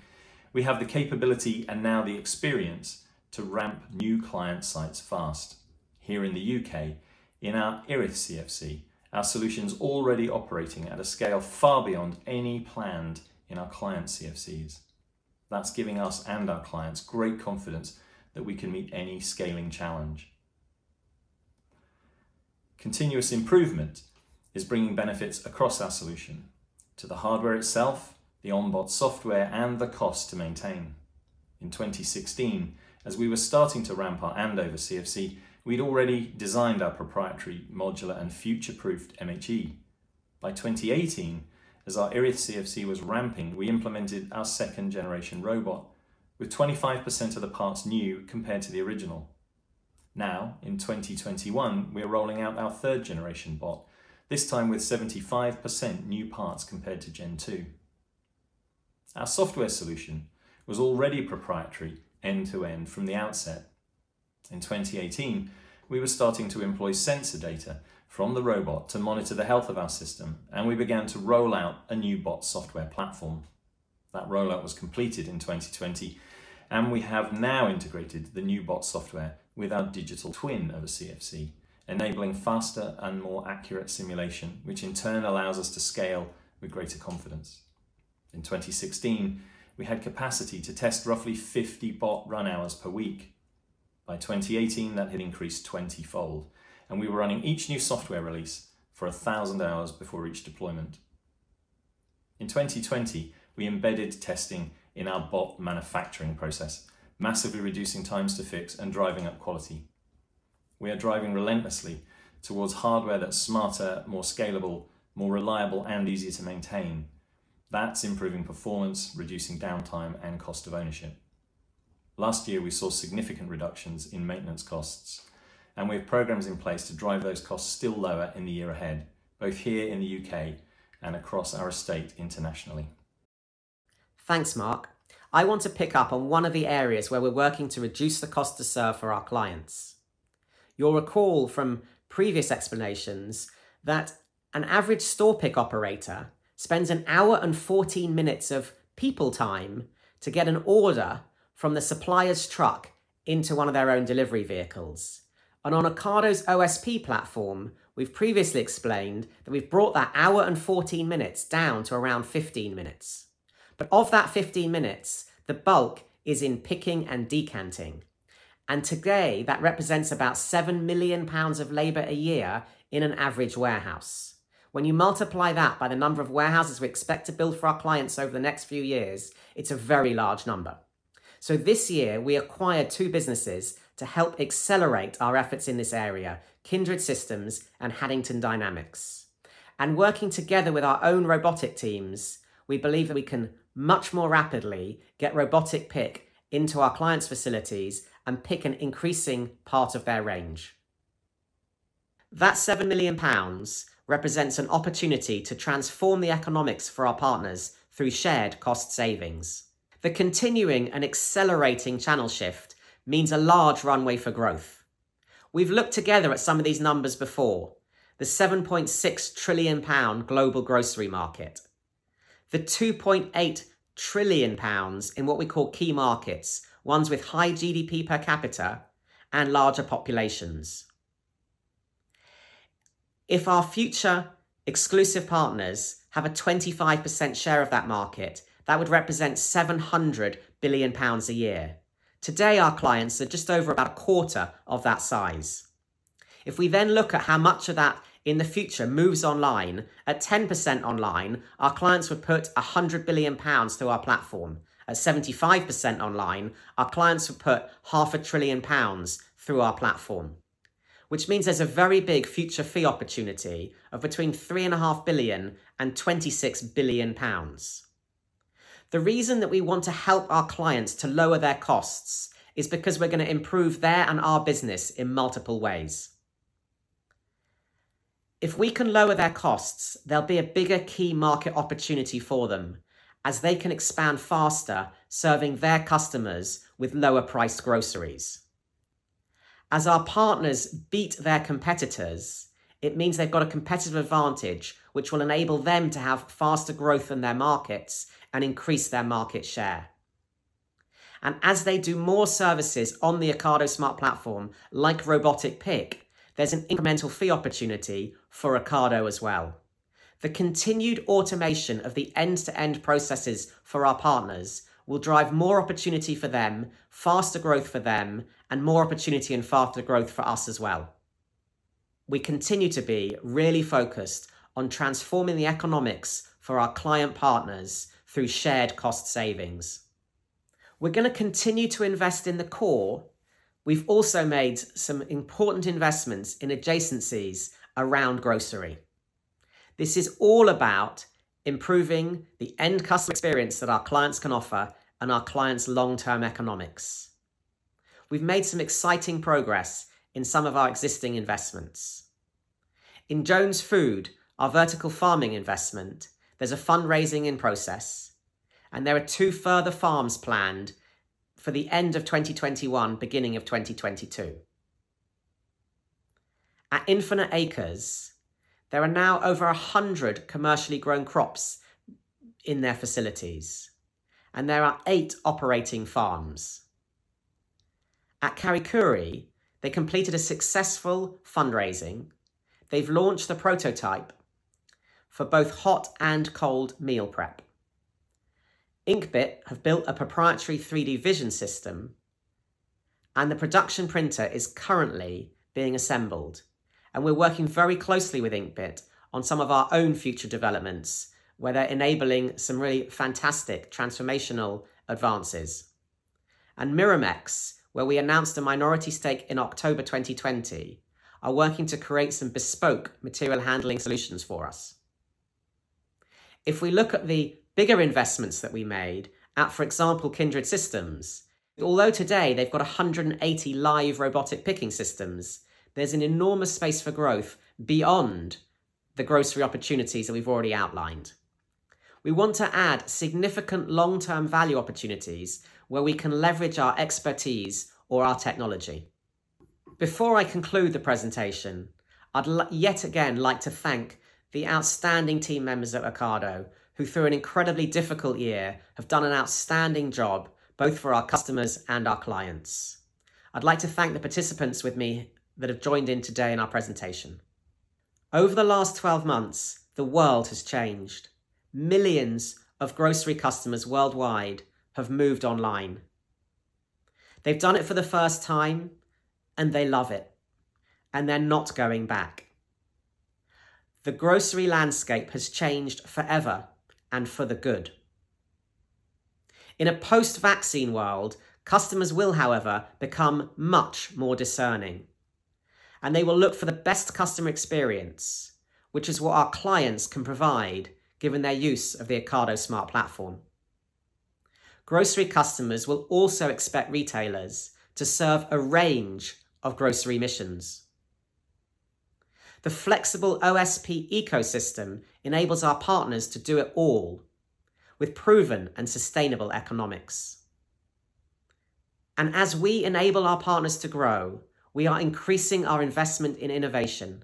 we have the capability and now the experience to ramp new client sites fast. Here in the U.K., in our Erith CFC, our solution's already operating at a scale far beyond any planned in our client CFCs. That's giving us and our clients great confidence that we can meet any scaling challenge. Continuous improvement is bringing benefits across our solution to the hardware itself, the onboard software, and the cost to maintain. In 2016, as we were starting to ramp our Andover CFC, we'd already designed our proprietary modular and future-proofed MHE. By 2018, as our Erith CFC was ramping, we implemented our second-generation robot with 25% of the parts new compared to the original. Now, in 2021, we are rolling out our third-generation bot, this time with 75% new parts compared to gen 2. Our software solution was already proprietary end-to-end from the outset. In 2018, we were starting to employ sensor data from the robot to monitor the health of our system. We began to roll out a new bot software platform. That rollout was completed in 2020. We have now integrated the new bot software with our digital twin of a CFC, enabling faster and more accurate simulation, which in turn allows us to scale with greater confidence. In 2016, we had capacity to test roughly 50 bot run hours per week. By 2018, that had increased 20-fold. We were running each new software release for 1,000 hours before each deployment. In 2020, we embedded testing in our bot manufacturing process, massively reducing times to fix and driving up quality. We are driving relentlessly towards hardware that's smarter, more scalable, more reliable, and easier to maintain. That's improving performance, reducing downtime, and cost of ownership. Last year, we saw significant reductions in maintenance costs, and we have programs in place to drive those costs still lower in the year ahead, both here in the U.K. and across our estate internationally. Thanks, Mark. I want to pick up on one of the areas where we're working to reduce the cost to serve for our clients. You'll recall from previous explanations that an average store pick operator spends an hour and 14 minutes of people time to get an order from the supplier's truck into one of their own delivery vehicles. On Ocado's OSP platform, we've previously explained that we've brought that hour and 14 minutes down to around 15 minutes. Of that 15 minutes, the bulk is in picking and decanting, and today, that represents about 7 million pounds of labor a year in an average warehouse. When you multiply that by the number of warehouses we expect to build for our clients over the next few years, it's a very large number. This year, we acquired two businesses to help accelerate our efforts in this area, Kindred Systems and Haddington Dynamics. Working together with our own robotic teams, we believe that we can much more rapidly get robotic pick into our clients' facilities and pick an increasing part of their range. That 7 million pounds represents an opportunity to transform the economics for our partners through shared cost savings. The continuing and accelerating channel shift means a large runway for growth. We've looked together at some of these numbers before. The 7.6 trillion pound global grocery market. The 2.8 trillion pounds in what we call key markets, ones with high GDP per capita and larger populations. If our future exclusive partners have a 25% share of that market, that would represent 700 billion pounds a year. Today, our clients are just over about a quarter of that size. If we then look at how much of that in the future moves online, at 10% online, our clients would put 100 billion pounds through our platform. At 75% online, our clients would put half a trillion pounds through our platform, which means there's a very big future fee opportunity of between 3.5 billion and 26 billion pounds. The reason that we want to help our clients to lower their costs is because we're going to improve their and our business in multiple ways. If we can lower their costs, there'll be a bigger key market opportunity for them as they can expand faster, serving their customers with lower-priced groceries. As our partners beat their competitors, it means they've got a competitive advantage, which will enable them to have faster growth in their markets and increase their market share. As they do more services on the Ocado Smart Platform like robotic pick, there's an incremental fee opportunity for Ocado as well. The continued automation of the end-to-end processes for our partners will drive more opportunity for them, faster growth for them, and more opportunity and faster growth for us as well. We continue to be really focused on transforming the economics for our client partners through shared cost savings. We're going to continue to invest in the core. We've also made some important investments in adjacencies around grocery. This is all about improving the end customer experience that our clients can offer and our clients' long-term economics. We've made some exciting progress in some of our existing investments. In Jones Food, our vertical farming investment, there's a fundraising in process, and there are two further farms planned for the end of 2021, beginning of 2022. At Infinite Acres, there are now over 100 commercially grown crops in their facilities, and there are eight operating farms. At Karakuri, they completed a successful fundraising. They've launched the prototype for both hot and cold meal prep. Inkbit have built a proprietary 3D vision system, and the production printer is currently being assembled. We're working very closely with Inkbit on some of our own future developments, where they're enabling some really fantastic transformational advances. Myrmex, where we announced a minority stake in October 2020, are working to create some bespoke material handling solutions for us. If we look at the bigger investments that we made at, for example, Kindred Systems, although today they've got 180 live robotic picking systems, there's an enormous space for growth beyond the grocery opportunities that we've already outlined. We want to add significant long-term value opportunities where we can leverage our expertise or our technology. Before I conclude the presentation, I'd yet again like to thank the outstanding team members at Ocado, who through an incredibly difficult year, have done an outstanding job, both for our customers and our clients. I'd like to thank the participants with me that have joined in today in our presentation. Over the last 12 months, the world has changed. Millions of grocery customers worldwide have moved online. They've done it for the first time, and they love it, and they're not going back. The grocery landscape has changed forever and for the good. In a post-vaccine world, customers will, however, become much more discerning, and they will look for the best customer experience, which is what our clients can provide given their use of the Ocado Smart Platform. Grocery customers will also expect retailers to serve a range of grocery missions. The flexible OSP ecosystem enables our partners to do it all with proven and sustainable economics. As we enable our partners to grow, we are increasing our investment in innovation,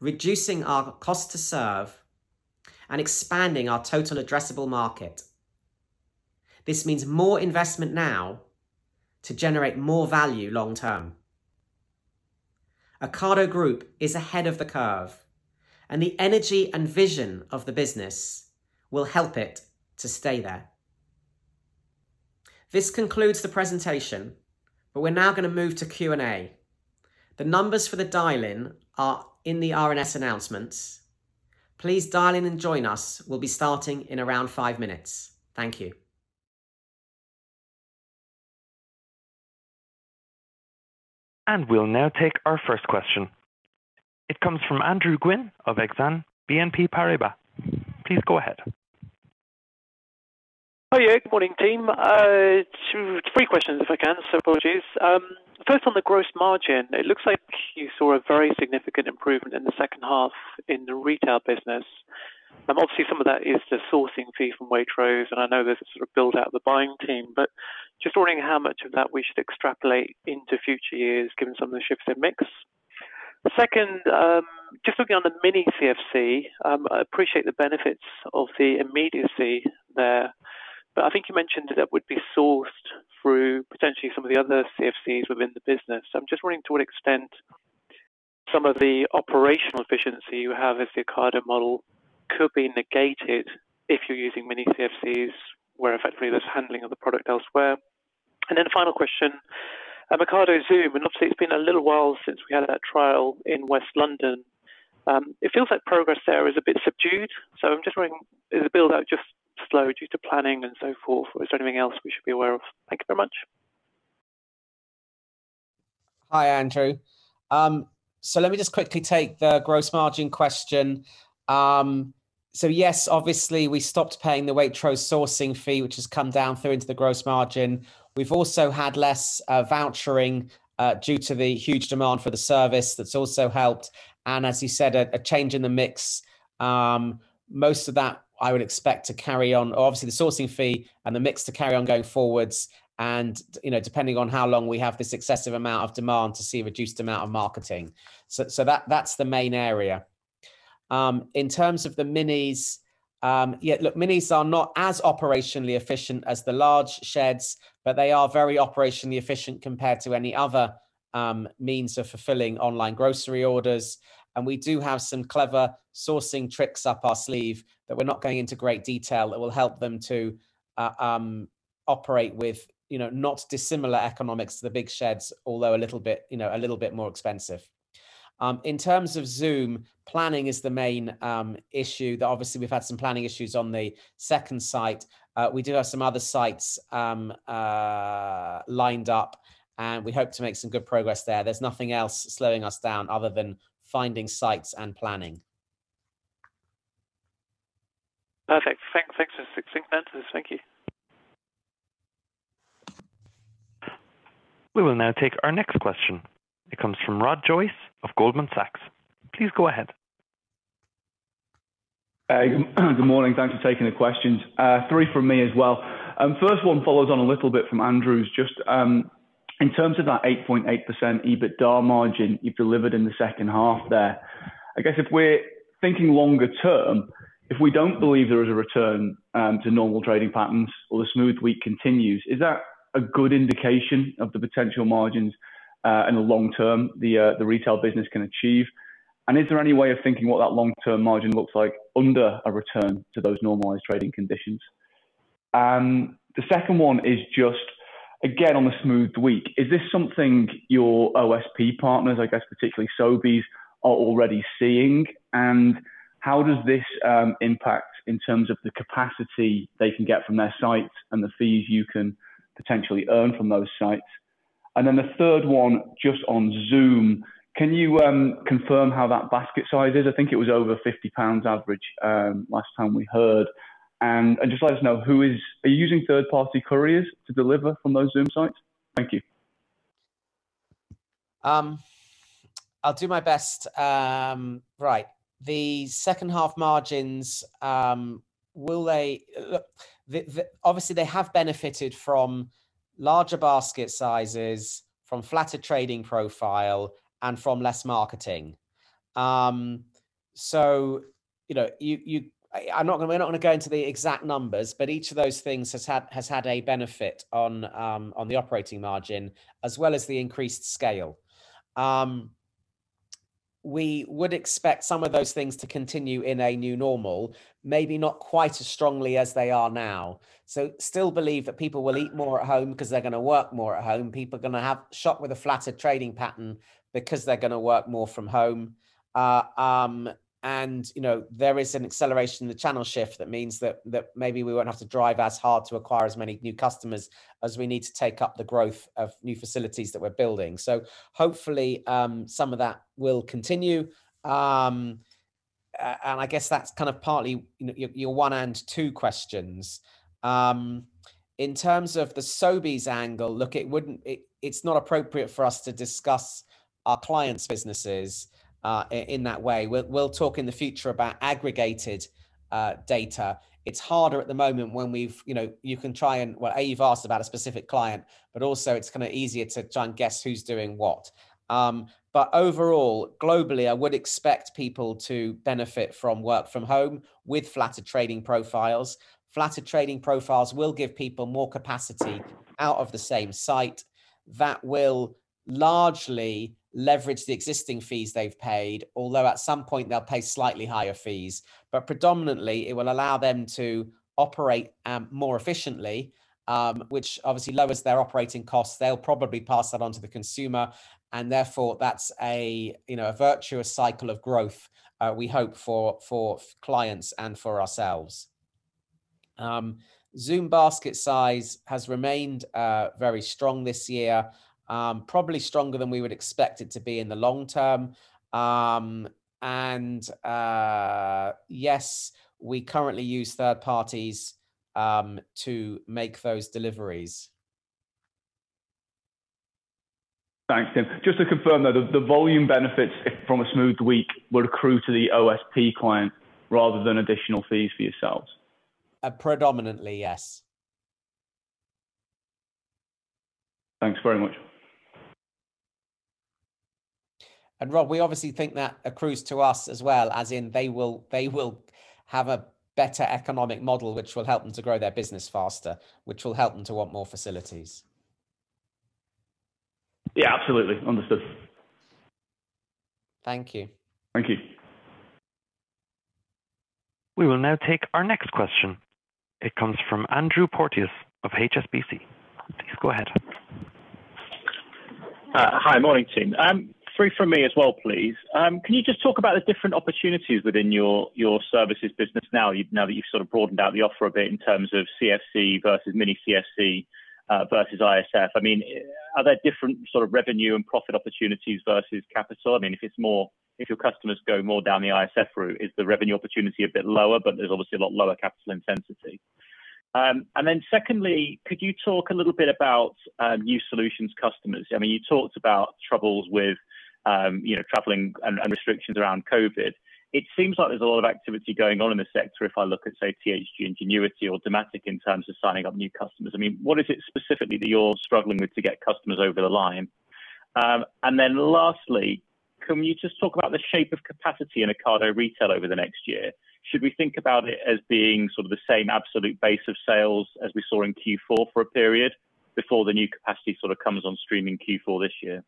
reducing our cost to serve, and expanding our total addressable market. This means more investment now to generate more value long term. Ocado Group is ahead of the curve, and the energy and vision of the business will help it to stay there. This concludes the presentation, but we're now going to move to Q&A. The numbers for the dial-in are in the RNS announcements. Please dial in and join us. We'll be starting in around five minutes. Thank you. We'll now take our first question. It comes from Andrew Gwynn of Exane BNP Paribas. Please go ahead. Good morning, team. Two, three questions if I can. Apologies. First, on the gross margin, it looks like you saw a very significant improvement in the second half in the retail business. Obviously, some of that is the sourcing fee from Waitrose, and I know there's a sort of build-out of the buying team. Just wondering how much of that we should extrapolate into future years, given some of the shifts in mix. Second, just looking on the Mini CFC. I appreciate the benefits of the immediacy there, but I think you mentioned that would be sourced through potentially some of the other CFCs within the business. I'm just wondering to what extent some of the operational efficiency you have as the Ocado model could be negated if you're using Mini CFCs, where effectively there's handling of the product elsewhere. Final question, Ocado Zoom, and obviously it's been a little while since we had that trial in West London. It feels like progress there is a bit subdued. I'm just wondering, is the build-out just slow due to planning and so forth, or is there anything else we should be aware of? Thank you very much. Hi, Andrew. Let me just quickly take the gross margin question. Yes, obviously we stopped paying the Waitrose sourcing fee, which has come down through into the gross margin. We've also had less vouchering due to the huge demand for the service. That's also helped. As you said, a change in the mix. Most of that I would expect to carry on, or obviously the sourcing fee and the mix to carry on going forwards, and depending on how long we have this excessive amount of demand to see a reduced amount of marketing. That's the main area. In terms of the minis, yeah, look, minis are not as operationally efficient as the large sheds, but they are very operationally efficient compared to any other means of fulfilling online grocery orders. We do have some clever sourcing tricks up our sleeve that we're not going into great detail, that will help them to operate with not dissimilar economics to the big sheds, although a little bit more expensive. In terms of Zoom, planning is the main issue. Though obviously we've had some planning issues on the second site. We do have some other sites lined up, and we hope to make some good progress there. There's nothing else slowing us down other than finding sites and planning. Perfect. Thanks. Thanks for those. Thank you. We will now take our next question. It comes from Rob Joyce of Goldman Sachs. Please go ahead. Good morning. Thanks for taking the questions. Three from me as well. First one follows on a little bit from Andrew's, just in terms of that 8.8% EBITDA margin you delivered in the second half there. I guess if we're thinking longer term, if we don't believe there is a return to normal trading patterns or the smooth week continues, is that a good indication of the potential margins in the long term the retail business can achieve? Is there any way of thinking what that long-term margin looks like under a return to those normalized trading conditions? The second one is just, again, on the smoothed week, is this something your OSP partners, I guess particularly Sobeys, are already seeing? How does this impact in terms of the capacity they can get from their sites and the fees you can potentially earn from those sites? The third one, just on Zoom, can you confirm how that basket size is? I think it was over 50 pounds average last time we heard. Just let us know, are you using third-party couriers to deliver from those Zoom sites? Thank you. I'll do my best. Right. The second half margins, obviously they have benefited from larger basket sizes, from flatter trading profile, and from less marketing. We're not going to go into the exact numbers, but each of those things has had a benefit on the operating margin as well as the increased scale. We would expect some of those things to continue in a new normal, maybe not quite as strongly as they are now. Still believe that people will eat more at home because they're going to work more at home. People are going to shop with a flatter trading pattern because they're going to work more from home. There is an acceleration in the channel shift that means that maybe we won't have to drive as hard to acquire as many new customers as we need to take up the growth of new facilities that we're building. Hopefully, some of that will continue. I guess that's kind of partly your one and two questions. In terms of the Sobeys angle, look, it's not appropriate for us to discuss our clients' businesses in that way. We'll talk in the future about aggregated data. It's harder at the moment when you can try and, well, A, you've asked about a specific client, but also it's kind of easier to try and guess who's doing what. Overall, globally, I would expect people to benefit from work from home with flatter trading profiles. Flatter trading profiles will give people more capacity out of the same site. That will largely leverage the existing fees they've paid, although at some point they'll pay slightly higher fees. Predominantly, it will allow them to operate more efficiently, which obviously lowers their operating costs. Therefore that's a virtuous cycle of growth we hope for clients and for ourselves. Zoom basket size has remained very strong this year, probably stronger than we would expect it to be in the long term. Yes, we currently use third parties to make those deliveries. Thanks, Tim. Just to confirm, though, the volume benefits from a smoothed week would accrue to the OSP client rather than additional fees for yourselves. Predominantly, yes. Thanks very much. Rob, we obviously think that accrues to us as well, as in they will have a better economic model, which will help them to grow their business faster, which will help them to want more facilities. Yeah, absolutely. Understood. Thank you. Thank you. We will now take our next question. It comes from Andrew Porteous of HSBC. Please go ahead. Hi. Morning, Tim. Three from me as well, please. Can you just talk about the different opportunities within your services business now that you've sort of broadened out the offer a bit in terms of CFC versus Mini CFC versus ISF? Are there different sort of revenue and profit opportunities versus capital? If your customers go more down the ISF route, is the revenue opportunity a bit lower, but there's obviously a lot lower capital intensity? Secondly, could you talk a little bit about new solutions customers? You talked about troubles with traveling and restrictions around COVID-19. It seems like there's a lot of activity going on in the sector if I look at, say, THG Ingenuity, or Automatic in terms of signing up new customers. What is it specifically that you're struggling with to get customers over the line? Lastly, can you just talk about the shape of capacity in Ocado Retail over the next year? Should we think about it as being sort of the same absolute base of sales as we saw in Q4 for a period before the new capacity sort of comes on stream in Q4 this year?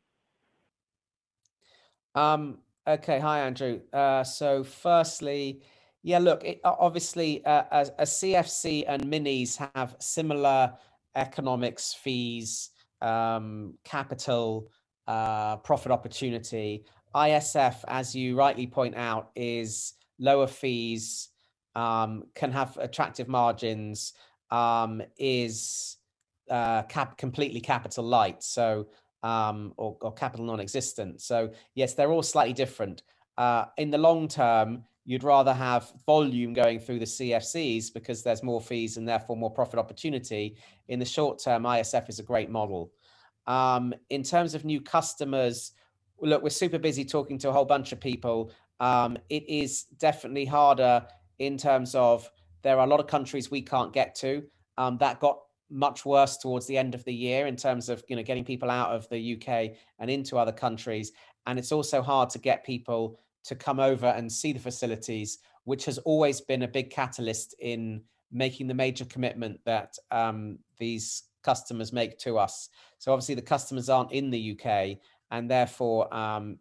Okay. Hi, Andrew. Firstly, yeah, look, obviously a CFC and minis have similar economics, fees, capital, profit opportunity. ISF, as you rightly point out, is lower fees, can have attractive margins, is completely capital light, or capital non-existent. Yes, they're all slightly different. In the long term, you'd rather have volume going through the CFCs because there's more fees and therefore more profit opportunity. In the short term, ISF is a great model. In terms of new customers, look, we're super busy talking to a whole bunch of people. It is definitely harder in terms of there are a lot of countries we can't get to. That got much worse towards the end of the year in terms of getting people out of the U.K. and into other countries. It's also hard to get people to come over and see the facilities, which has always been a big catalyst in making the major commitment that these customers make to us. Obviously the customers aren't in the U.K., and therefore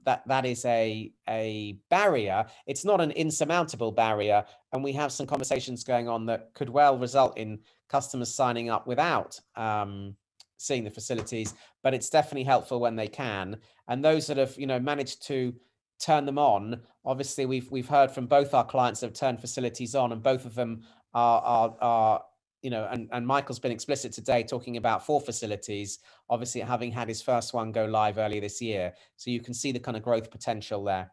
that is a barrier. It's not an insurmountable barrier, and we have some conversations going on that could well result in customers signing up without seeing the facilities, but it's definitely helpful when they can. Those that have managed to turn them on, obviously we've heard from both our clients that have turned facilities on, and both of them are, and Michael's been explicit today talking about four facilities, obviously, having had his first one go live earlier this year. You can see the kind of growth potential there.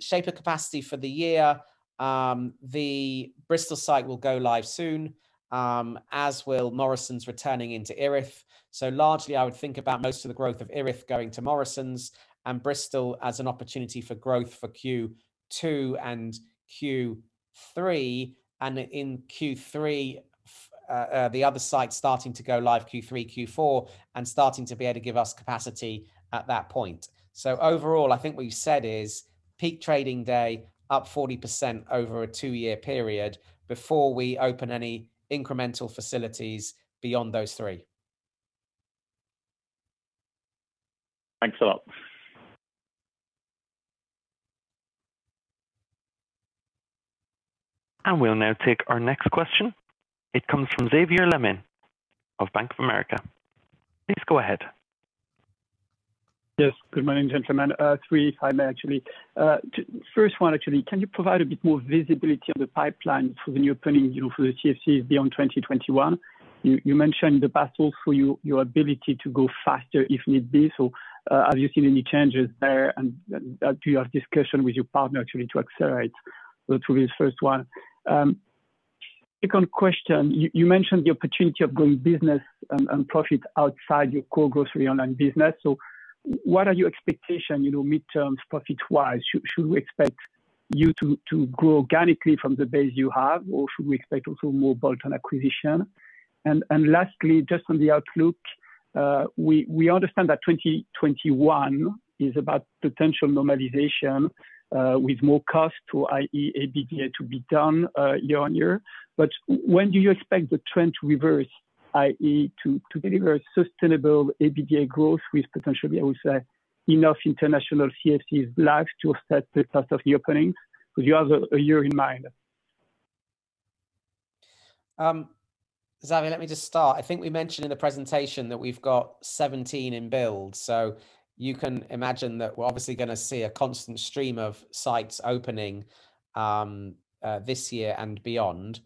Shared capacity for the year, the Bristol site will go live soon, as will Morrisons returning into Erith. Largely, I would think about most of the growth of Erith going to Morrisons and Bristol as an opportunity for growth for Q2 and Q3, and in Q3, the other site starting to go live Q3, Q4, and starting to be able to give us capacity at that point. Overall, I think what you said is peak trading day up 40% over a two-year period before we open any incremental facilities beyond those three. Thanks a lot. We'll now take our next question. It comes from Xavier Le Mené of Bank of America. Please go ahead. Yes. Good morning, gentlemen. Three, if I may, actually. First one, actually, can you provide a bit more visibility on the pipeline for the new opening for the CFCs beyond 2021? You mentioned the battle for your ability to go faster if need be. Have you seen any changes there, and do you have discussion with your partner actually to accelerate? That will be the first one. Second question, you mentioned the opportunity of growing business and profit outside your core grocery online business. What are your expectation, mid-term, profit-wise? Should we expect you to grow organically from the base you have, or should we expect also more bolt-on acquisition? Lastly, just on the outlook, we understand that 2021 is about potential normalization, with more cost to, i.e., EBITDA to be done, year-on-year. When do you expect the trend to reverse, i.e., to deliver sustainable EBITDA growth with potentially, I would say, enough international CFCs live to offset the cost of the opening? Do you have a year in mind? Xavier, let me just start. I think we mentioned in the presentation that we've got 17 in build. You can imagine that we're obviously going to see a constant stream of sites opening this year and beyond.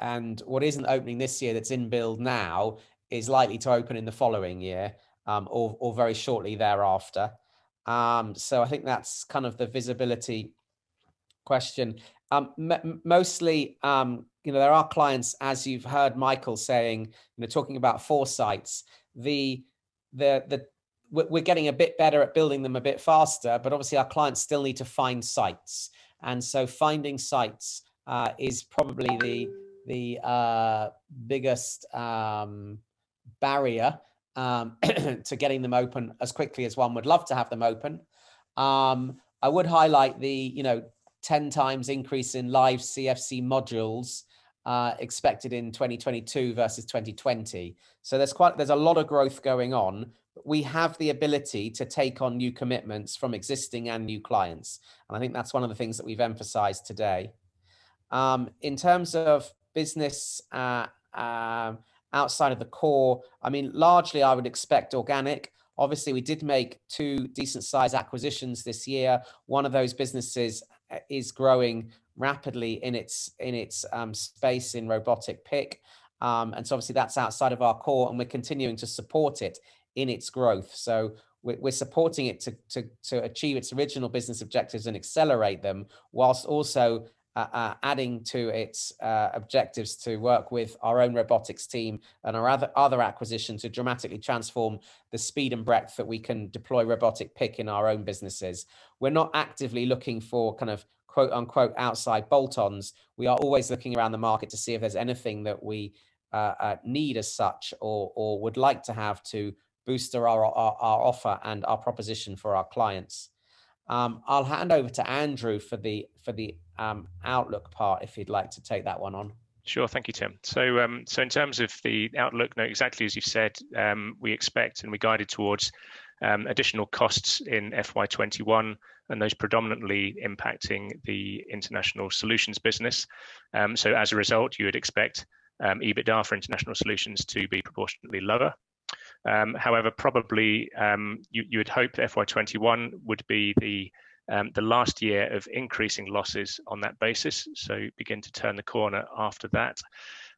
What isn't opening this year that's in build now is likely to open in the following year, or very shortly thereafter. I think that's kind of the visibility question. Mostly, there are clients, as you've heard Michael saying, talking about four sites. We're getting a bit better at building them a bit faster, but obviously our clients still need to find sites. Finding sites is probably the biggest barrier to getting them open as quickly as one would love to have them open. I would highlight the 10 times increase in live CFC modules expected in 2022 versus 2020. There's a lot of growth going on. We have the ability to take on new commitments from existing and new clients, and I think that's one of the things that we've emphasized today. In terms of business outside of the core, largely, I would expect organic. Obviously, we did make two decent size acquisitions this year. One of those businesses is growing rapidly in its space in robotic pick. Obviously, that's outside of our core, and we're continuing to support it in its growth. We're supporting it to achieve its original business objectives and accelerate them, while also adding to its objectives to work with our own robotics team and our other acquisitions to dramatically transform the speed and breadth that we can deploy robotic pick in our own businesses. We're not actively looking for kind of, "outside bolt-ons." We are always looking around the market to see if there's anything that we need as such or would like to have to boost our offer and our proposition for our clients. I'll hand over to Andrew for the outlook part, if he'd like to take that one on. Sure. Thank you, Tim. In terms of the outlook, exactly as you've said, we expect and we guided towards additional costs in FY 2021, and those predominantly impacting the International Solutions business. As a result, you would expect EBITDA for International Solutions to be proportionately lower. You would hope FY 2021 would be the last year of increasing losses on that basis, so begin to turn the corner after that.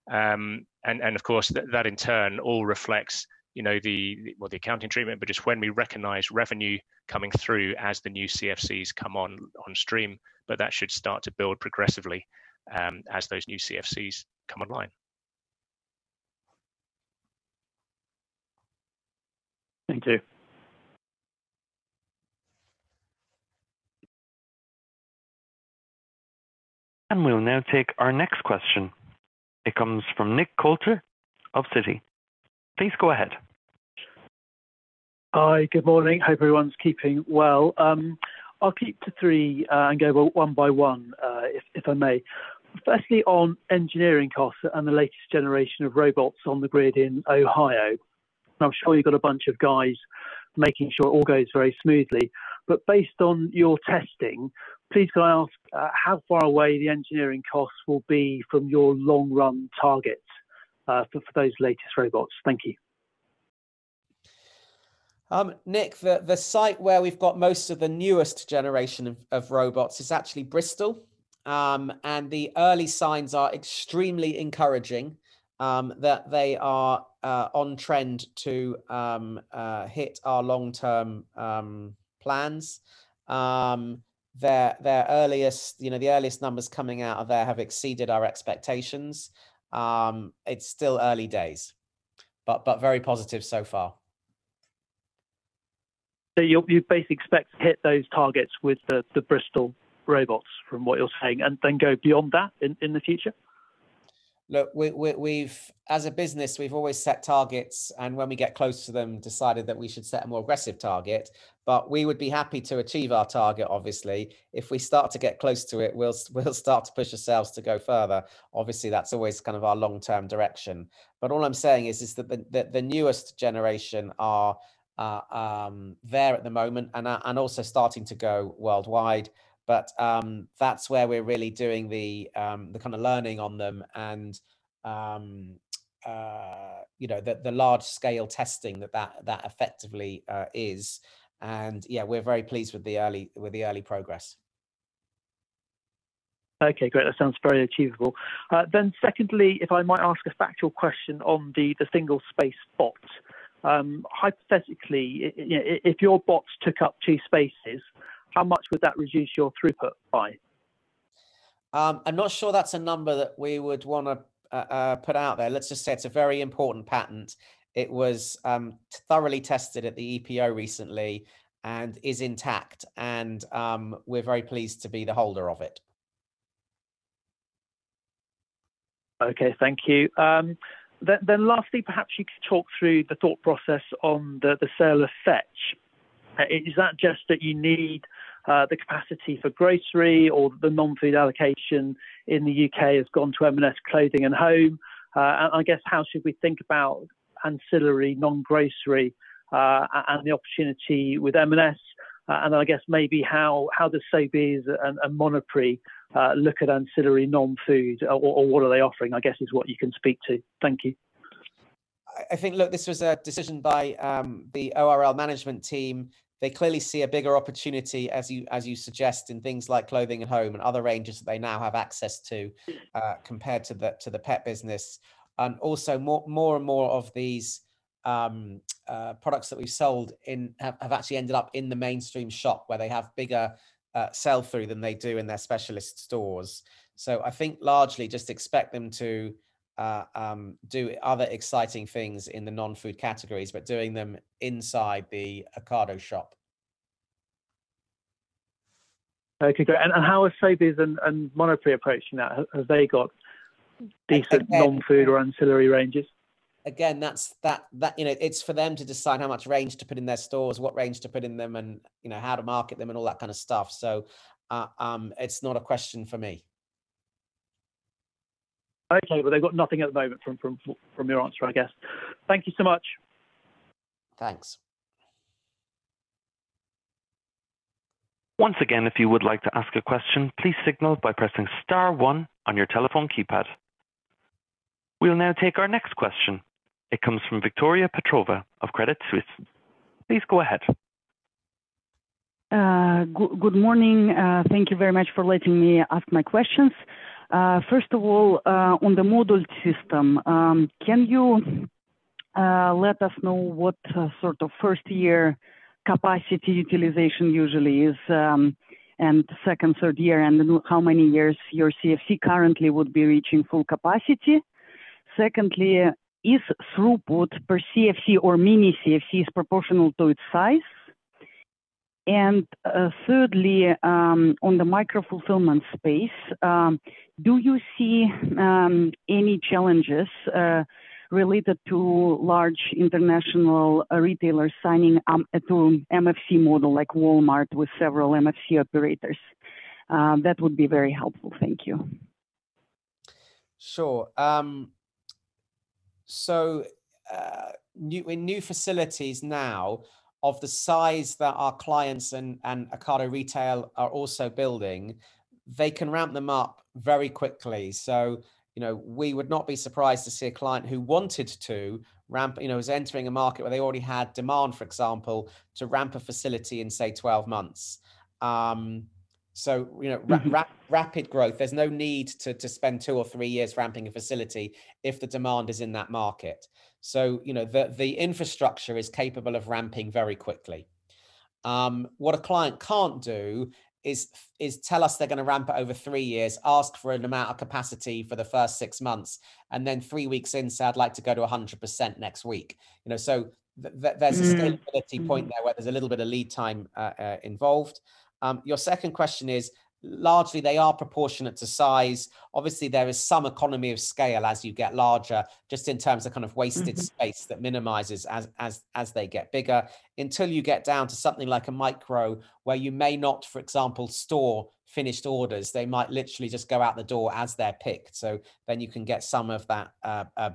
That in turn all reflects the accounting treatment, but just when we recognize revenue coming through as the new CFCs come on stream, but that should start to build progressively, as those new CFCs come online. Thank you. We'll now take our next question. It comes from Nick Coulter of Citi. Please go ahead. Hi, good morning. Hope everyone's keeping well. I'll keep to three, and go one by one, if I may. Firstly, on engineering costs and the latest generation of robots on the grid in Ohio. I'm sure you've got a bunch of guys making sure it all goes very smoothly. Based on your testing, please can I ask how far away the engineering costs will be from your long-run targets, for those latest robots? Thank you. Nick, the site where we've got most of the newest generation of robots is actually Bristol. The early signs are extremely encouraging that they are on trend to hit our long-term plans. The earliest numbers coming out of there have exceeded our expectations. It's still early days, but very positive so far. You basically expect to hit those targets with the Bristol robots, from what you're saying, and then go beyond that in the future? Look, as a business, we've always set targets, and when we get close to them, decided that we should set a more aggressive target. We would be happy to achieve our target, obviously. If we start to get close to it, we'll start to push ourselves to go further. Obviously, that's always kind of our long-term direction. All I'm saying is that the newest generation are there at the moment and also starting to go worldwide. That's where we're really doing the kind of learning on them and the large-scale testing. Yeah, we're very pleased with the early progress. Okay, great. That sounds very achievable. Secondly, if I might ask a factual question on the single space bot. Hypothetically, if your bots took up two spaces, how much would that reduce your throughput by? I'm not sure that's a number that we would want to put out there. Let's just say it's a very important patent. It was thoroughly tested at the EPO recently and is intact, and we're very pleased to be the holder of it. Okay. Thank you. Lastly, perhaps you could talk through the thought process on the sale of Fetch. Is that just that you need the capacity for grocery or the non-food allocation in the U.K. has gone to M&S Clothing and Home? I guess how should we think about ancillary non-grocery, and the opportunity with M&S? I guess maybe how does Sainsbury's and Monoprix look at ancillary non-food, or what are they offering, I guess, is what you can speak to. Thank you. I think, look, this was a decision by the ORL management team. They clearly see a bigger opportunity, as you suggest, in things like Clothing and Home and other ranges that they now have access to compared to the pet business. Also, more and more of these products that we've sold have actually ended up in the mainstream shop where they have bigger sell-through than they do in their specialist stores. I think largely just expect them to do other exciting things in the non-food categories, but doing them inside the Ocado shop. Okay, great. How are Sainsbury's and Monoprix approaching that? Have they got decent non-food or ancillary ranges? It's for them to decide how much range to put in their stores, what range to put in them, and how to market them and all that kind of stuff. It's not a question for me. Okay. Well, they've got nothing at the moment from your answer, I guess. Thank you so much. Thanks. Once again, if you would like to ask a question, please signal by pressing star one on your telephone keypad. We will now take our next question. It comes from Victoria Petrova of Credit Suisse. Please go ahead. Good morning. Thank you very much for letting me ask my questions. First of all, on the module system, can you let us know what sort of first-year capacity utilization usually is, and second, third year, and how many years your CFC currently would be reaching full capacity? Secondly, is throughput per CFC or mini CFC is proportional to its size? Thirdly, on the micro-fulfillment space, do you see any challenges related to large international retailers signing up to MFC model like Walmart with several MFC operators? That would be very helpful. Thank you. Sure. In new facilities now of the size that our clients and Ocado Retail are also building, they can ramp them up very quickly. We would not be surprised to see a client who wanted to ramp, is entering a market where they already had demand, for example, to ramp a facility in, say, 12 months. Rapid growth. There's no need to spend two or three years ramping a facility if the demand is in that market. The infrastructure is capable of ramping very quickly. What a client can't do is tell us they're going to ramp it over three years, ask for an amount of capacity for the first six months, and then three weeks in, say, "I'd like to go to 100% next week. *audio distortion* point there where there's a little bit of lead time involved. Your second question is, largely, they are proportionate to size. Obviously, there is some economy of scale as you get larger. space that minimizes as they get bigger, until you get down to something like a Micro where you may not, for example, store finished orders. They might literally just go out the door as they're picked. You can get some of that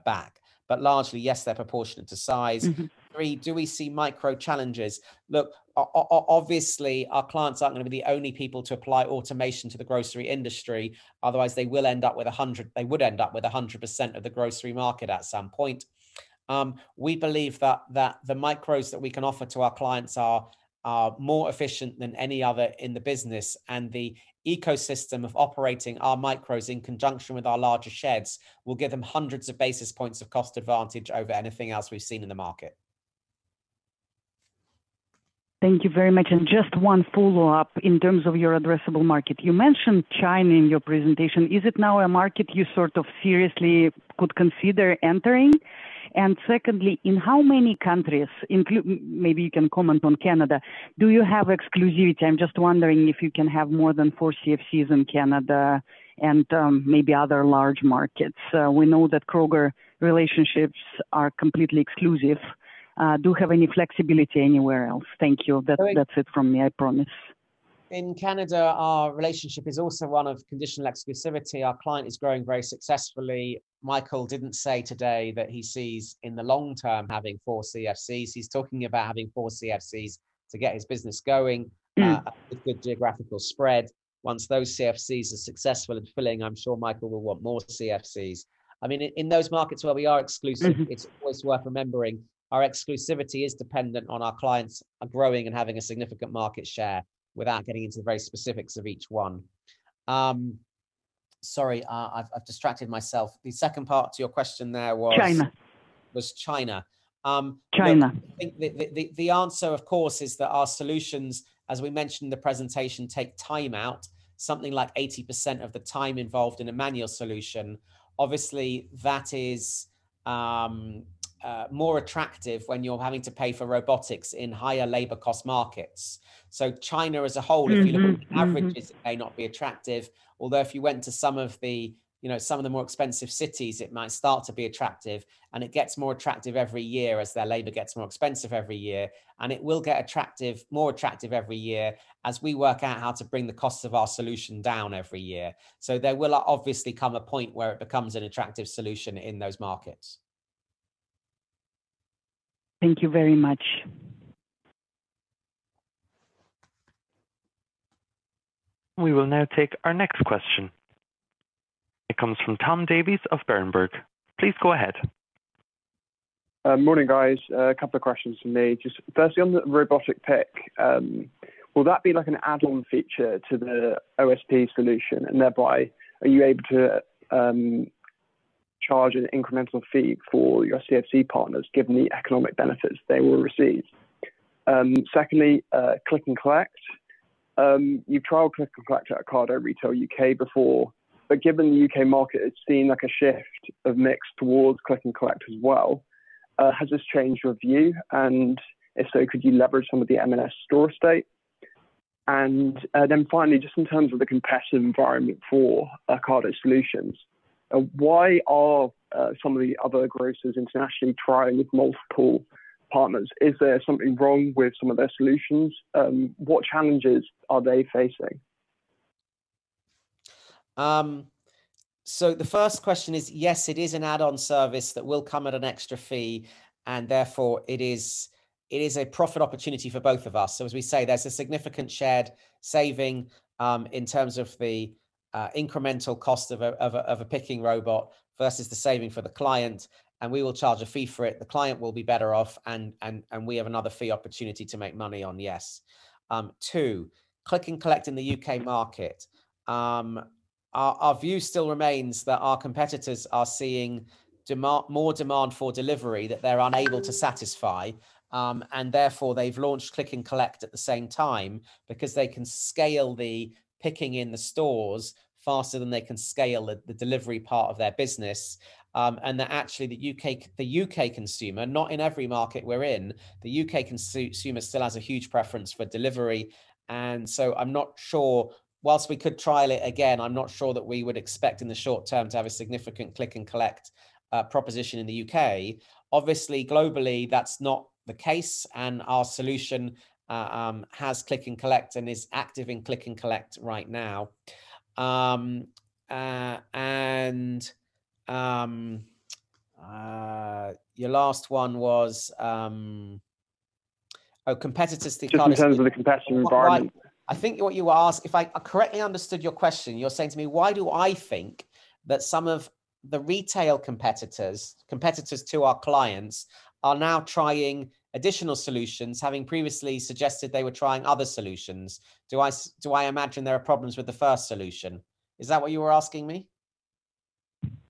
back. Largely, yes, they're proportionate to size. Three, do we see micro challenges? Look, obviously, our clients aren't going to be the only people to apply automation to the grocery industry, otherwise they would end up with 100% of the grocery market at some point. We believe that the Micro CFCs that we can offer to our clients are more efficient than any other in the business, and the ecosystem of operating our Micro CFCs in conjunction with our larger CFCs will give them hundreds of basis points of cost advantage over anything else we've seen in the market. Thank you very much. Just one follow-up in terms of your addressable market. You mentioned China in your presentation. Is it now a market you sort of seriously could consider entering? Secondly, in how many countries, maybe you can comment on Canada, do you have exclusivity? I'm just wondering if you can have more than four CFCs in Canada and maybe other large markets. We know that Kroger relationships are completely exclusive. Do you have any flexibility anywhere else? Thank you. That's it from me, I promise. In Canada, our relationship is also one of conditional exclusivity. Our client is growing very successfully. Michael didn't say today that he sees in the long term having four CFCs. He's talking about having four CFCs to get his business going. with good geographical spread. Once those CFCs are successful and filling, I'm sure Michael will want more CFCs. In those markets where we are exclusive- it's always worth remembering our exclusivity is dependent on our clients growing and having a significant market share, without getting into the very specifics of each one. Sorry, I've distracted myself. The second part to your question there was- China. ...was China. China. I think the answer, of course, is that our solutions, as we mentioned in the presentation, take time out, something like 80% of the time involved in a manual solution. Obviously, that is more attractive when you're having to pay for robotics in higher labor cost markets. China as a whole. If you look at the averages, it may not be attractive, although if you went to some of the more expensive cities, it might start to be attractive, and it gets more attractive every year as their labor gets more expensive every year, and it will get more attractive every year as we work out how to bring the cost of our solution down every year. There will obviously come a point where it becomes an attractive solution in those markets. Thank you very much. We will now take our next question. It comes from Tom Davies of Berenberg. Please go ahead. Morning, guys. A couple of questions from me. Just firstly, on the robotic pick, will that be like an add-on feature to the OSP solution, and thereby, are you able to charge an incremental fee for your CFC partners given the economic benefits they will receive? Secondly, Click and Collect. You've trialed Click and Collect at Ocado Retail U.K. before, but given the U.K. market, it's seen like a shift of mix towards Click and Collect as well. Has this changed your view? If so, could you leverage some of the M&S store estate? Finally, just in terms of the competitive environment for Ocado Solutions, why are some of the other grocers internationally trying with multiple partners? Is there something wrong with some of their solutions? What challenges are they facing? The first question is, yes, it is an add-on service that will come at an extra fee, and therefore, it is a profit opportunity for both of us. As we say, there's a significant shared saving in terms of the incremental cost of a picking robot versus the saving for the client, and we will charge a fee for it. The client will be better off, and we have another fee opportunity to make money on, yes. Two, Click and Collect in the U.K. market. Our view still remains that our competitors are seeing more demand for delivery that they're unable to satisfy, and therefore, they've launched click and collect at the same time because they can scale the picking in the stores faster than they can scale the delivery part of their business. That actually the U.K. consumer, not in every market we're in, the U.K. consumer still has a huge preference for delivery, and so whilst we could trial it again, I'm not sure that we would expect in the short term to have a significant Click and Collect proposition in the U.K. Obviously, globally, that's not the case, and our solution has Click and Collect and is active in Click and Collect right now. Your last one was, oh, competitors to Ocado. Just in terms of the competitive environment. I think what you asked, if I correctly understood your question, you're saying to me why do I think that some of the retail competitors to our clients, are now trying additional solutions, having previously suggested they were trying other solutions? Do I imagine there are problems with the first solution? Is that what you were asking me?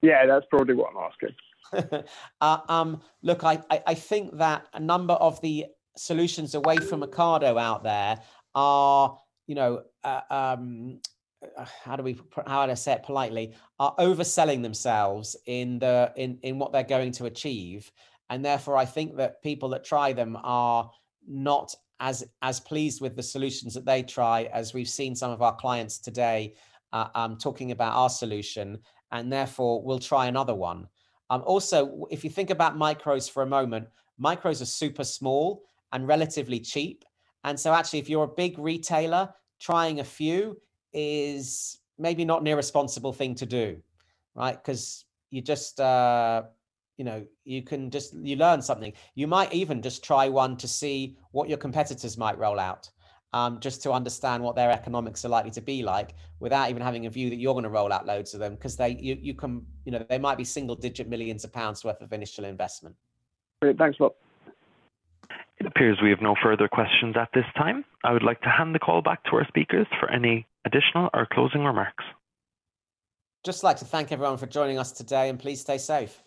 Yeah, that's broadly what I'm asking. Look, I think that a number of the solutions away from Ocado out there are, how do I say it politely, are overselling themselves in what they're going to achieve, and therefore, I think that people that try them are not as pleased with the solutions that they try, as we've seen some of our clients today talking about our solution, and therefore, will try another one. Also, if you think about micros for a moment, micros are super small and relatively cheap, and so actually, if you're a big retailer, trying a few is maybe not an irresponsible thing to do, right? Because you learn something. You might even just try one to see what your competitors might roll out, just to understand what their economics are likely to be like without even having a view that you're going to roll out loads of them, because they might be single-digit millions of GBP worth of initial investment. Brilliant. Thanks, Tim. It appears we have no further questions at this time. I would like to hand the call back to our speakers for any additional or closing remarks. Just like to thank everyone for joining us today, and please stay safe.